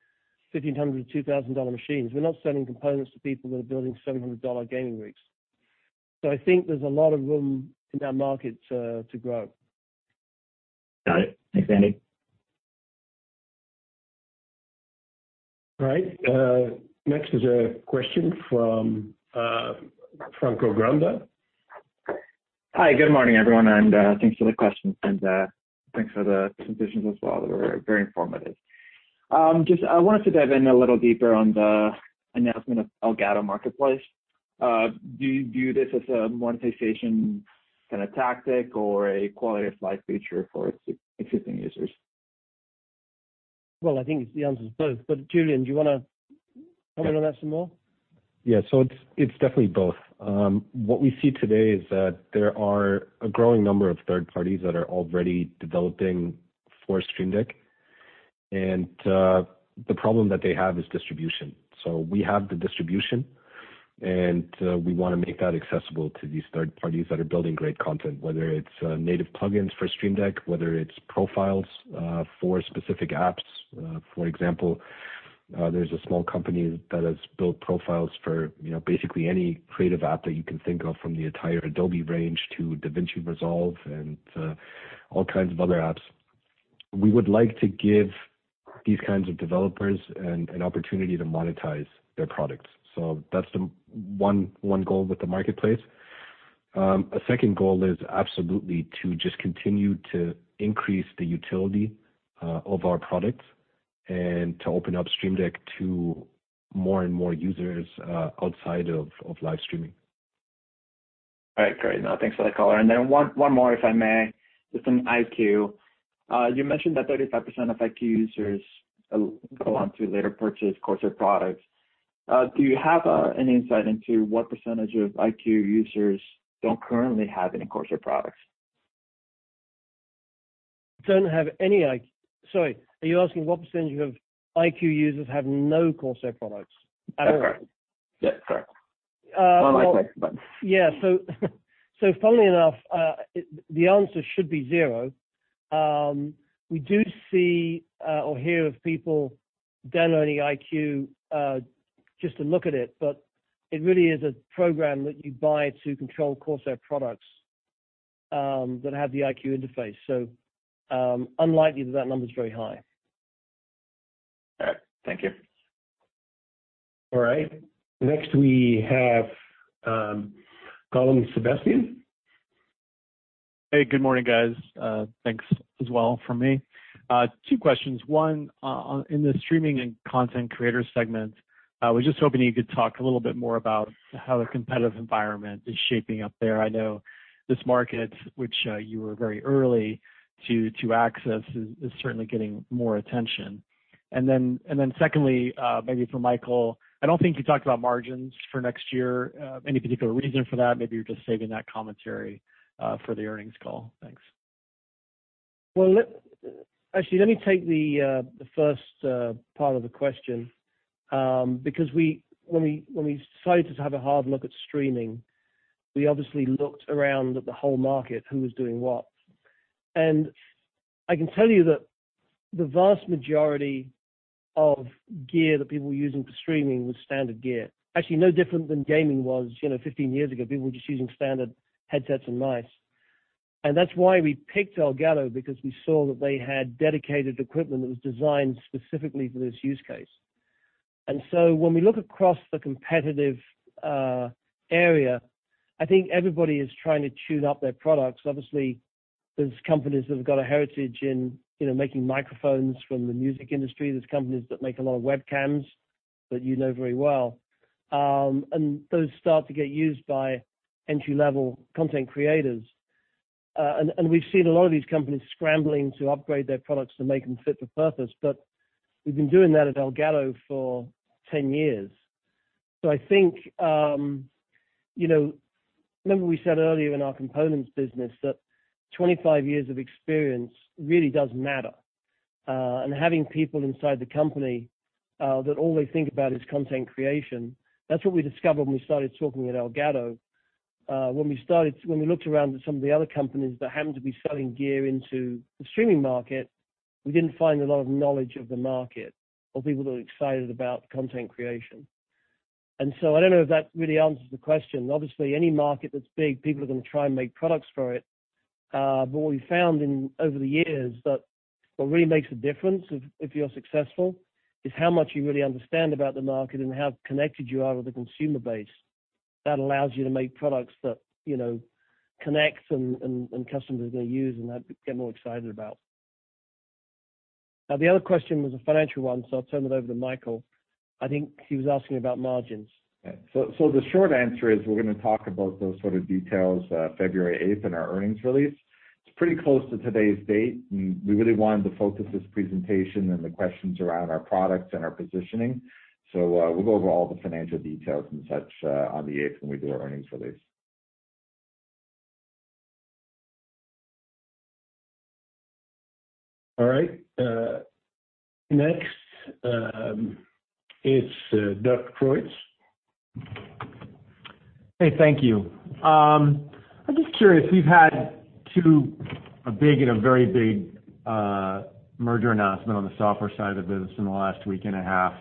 $1,500-$2,000 machines. We're not selling components to people that are building $700 gaming rigs. I think there's a lot of room in our market to grow. Got it. Thanks, Andy. All right, next is a question from Franco Granda. Hi. Good morning, everyone, and thanks for the questions and thanks for the presentations as well. They were very informative. Just I wanted to dive in a little deeper on the announcement of Elgato Marketplace. Do you view this as a monetization kind of tactic or a quality of life feature for existing users? Well, I think the answer is both. Julian, do you wanna comment on that some more? Yeah. It's definitely both. What we see today is that there are a growing number of third parties that are already developing for Stream Deck, and the problem that they have is distribution. We have the distribution, and we wanna make that accessible to these third parties that are building great content, whether it's native plugins for Stream Deck, whether it's profiles for specific apps. For example, there's a small company that has built profiles for, you know, basically any creative app that you can think of from the entire Adobe range to DaVinci Resolve and all kinds of other apps. We would like to give these kinds of developers an opportunity to monetize their products. That's the one goal with the marketplace. A second goal is absolutely to just continue to increase the utility of our products and to open up Stream Deck to more and more users outside of live streaming. All right. Great. No, thanks for that color. One more, if I may, just on iCUE. You mentioned that 35% of iCUE users go on to later purchase Corsair products. Do you have any insight into what percentage of iCUE users don't currently have any Corsair products? Sorry. Are you asking what percentage of iCUE users have no Corsair products at all? That's correct. Yeah, correct. Uh, well- My mistake. Yeah. Funnily enough, the answer should be zero. We do see or hear of people downloading iCUE just to look at it, but it really is a program that you buy to control Corsair products that have the iCUE interface. Unlikely that number is very high. All right. Thank you. All right. Next we have, Colin Sebastian. Hey, good morning, guys. Thanks as well from me. Two questions. One, in the streaming and content creator segment, we're just hoping you could talk a little bit more about how the competitive environment is shaping up there. I know this market, which you were very early to access, is certainly getting more attention. Then secondly, maybe for Michael, I don't think you talked about margins for next year. Any particular reason for that? Maybe you're just saving that commentary for the earnings call. Thanks. Actually, let me take the first part of the question, because we started to have a hard look at streaming, we obviously looked around at the whole market, who was doing what. I can tell you that the vast majority of gear that people were using for streaming was standard gear. Actually, no different than gaming was, you know, 15 years ago. People were just using standard headsets and mice. That's why we picked Elgato, because we saw that they had dedicated equipment that was designed specifically for this use case. When we look across the competitive area, I think everybody is trying to tune up their products. Obviously, there's companies that have got a heritage in, you know, making microphones from the music industry. There's companies that make a lot of webcams that you know very well. Those start to get used by entry-level content creators. We've seen a lot of these companies scrambling to upgrade their products to make them fit for purpose. We've been doing that at Elgato for 10 years. I think, you know, remember we said earlier in our components business that 25 years of experience really does matter. Having people inside the company that all they think about is content creation, that's what we discovered when we started talking at Elgato. When we looked around at some of the other companies that happened to be selling gear into the streaming market, we didn't find a lot of knowledge of the market or people that were excited about content creation. I don't know if that really answers the question. Obviously, any market that's big, people are gonna try and make products for it. But what we found over the years that what really makes a difference if you're successful, is how much you really understand about the market and how connected you are with the consumer base. That allows you to make products that, you know, connect and customers are gonna use and get more excited about. Now, the other question was a financial one, so I'll turn it over to Michael. I think he was asking about margins. The short answer is we're gonna talk about those sort of details, February 8th in our earnings release. It's pretty close to today's date. We really wanted to focus this presentation and the questions around our products and our positioning. We'll go over all the financial details and such, on the 8th when we do our earnings release. All right. Next, it's Doug Creutz. Hey, thank you. I'm just curious, we've had two, a big and a very big, merger announcement on the software side of the business in the last week and a half.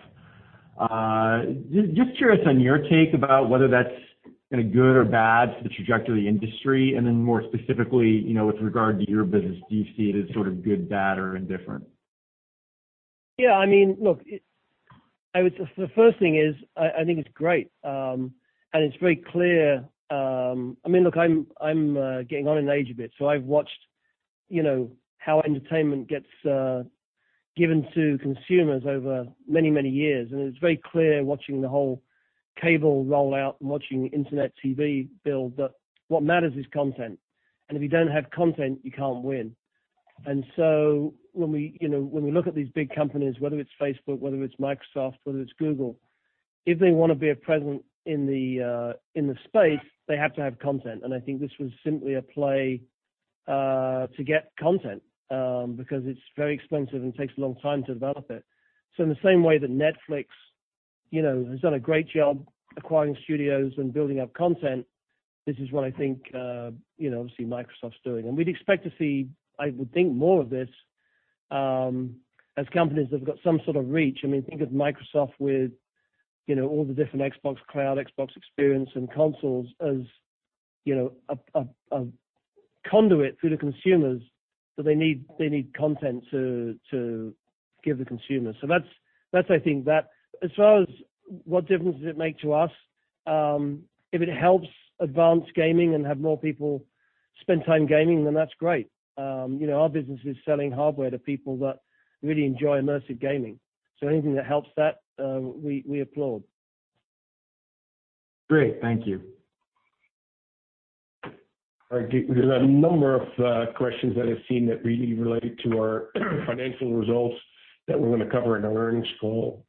Just curious on your take about whether that's, you know, good or bad for the trajectory of the industry, and then more specifically, you know, with regard to your business, do you see it as sort of good, bad or indifferent? Yeah, I mean, look, I would say the first thing is, I think it's great, and it's very clear. I mean, look, I'm getting on in age a bit, so I've watched, you know, how entertainment gets given to consumers over many, many years, and it's very clear watching the whole cable roll out and watching internet TV build that what matters is content. If you don't have content, you can't win. When we, you know, when we look at these big companies, whether it's Facebook, whether it's Microsoft, whether it's Google, if they wanna be a presence in the space, they have to have content. I think this was simply a play to get content, because it's very expensive and takes a long time to develop it. In the same way that Netflix, you know, has done a great job acquiring studios and building up content, this is what I think, you know, obviously Microsoft's doing. We'd expect to see, I would think more of this, as companies have got some sort of reach. I mean, think of Microsoft with, you know, all the different Xbox Cloud, Xbox Experience and consoles as, you know, a conduit through the consumers. They need content to give the consumer. That's, I think, that. As far as what difference does it make to us, if it helps advance gaming and have more people spend time gaming, then that's great. You know, our business is selling hardware to people that really enjoy immersive gaming. Anything that helps that, we applaud. Great. Thank you. All right. There's a number of questions that I've seen that really relate to our financial results that we're gonna cover in our earnings call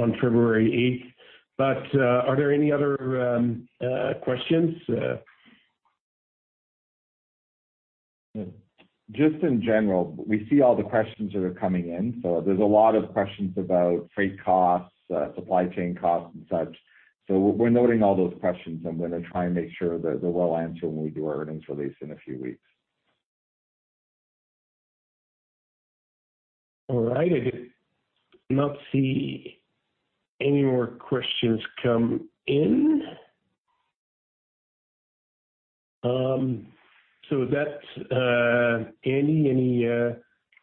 on February 8th. Are there any other questions? Just in general, we see all the questions that are coming in. There's a lot of questions about freight costs, supply chain costs and such. We're noting all those questions, and we're gonna try and make sure that they're well answered when we do our earnings release in a few weeks. All right. I do not see any more questions come in. With that, Andy, any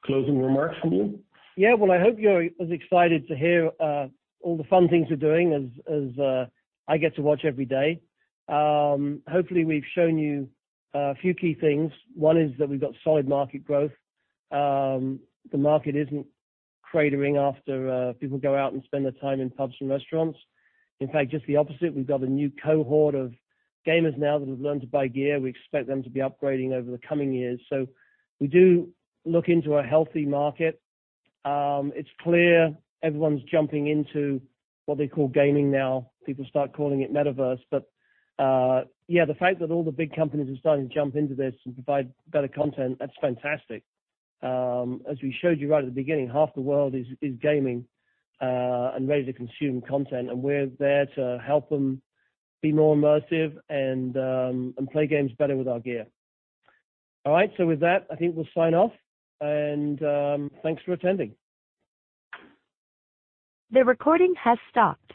closing remarks from you? Yeah. Well, I hope you're as excited to hear all the fun things we're doing as I get to watch every day. Hopefully we've shown you a few key things. One is that we've got solid market growth. The market isn't cratering after people go out and spend their time in pubs and restaurants. In fact, just the opposite. We've got a new cohort of gamers now that have learned to buy gear. We expect them to be upgrading over the coming years. We do look into a healthy market. It's clear everyone's jumping into what they call gaming now. People start calling it metaverse. Yeah, the fact that all the big companies are starting to jump into this and provide better content, that's fantastic. As we showed you right at the beginning, half the world is gaming and ready to consume content, and we're there to help them be more immersive and play games better with our gear. All right. With that, I think we'll sign off, and thanks for attending. The recording has stopped.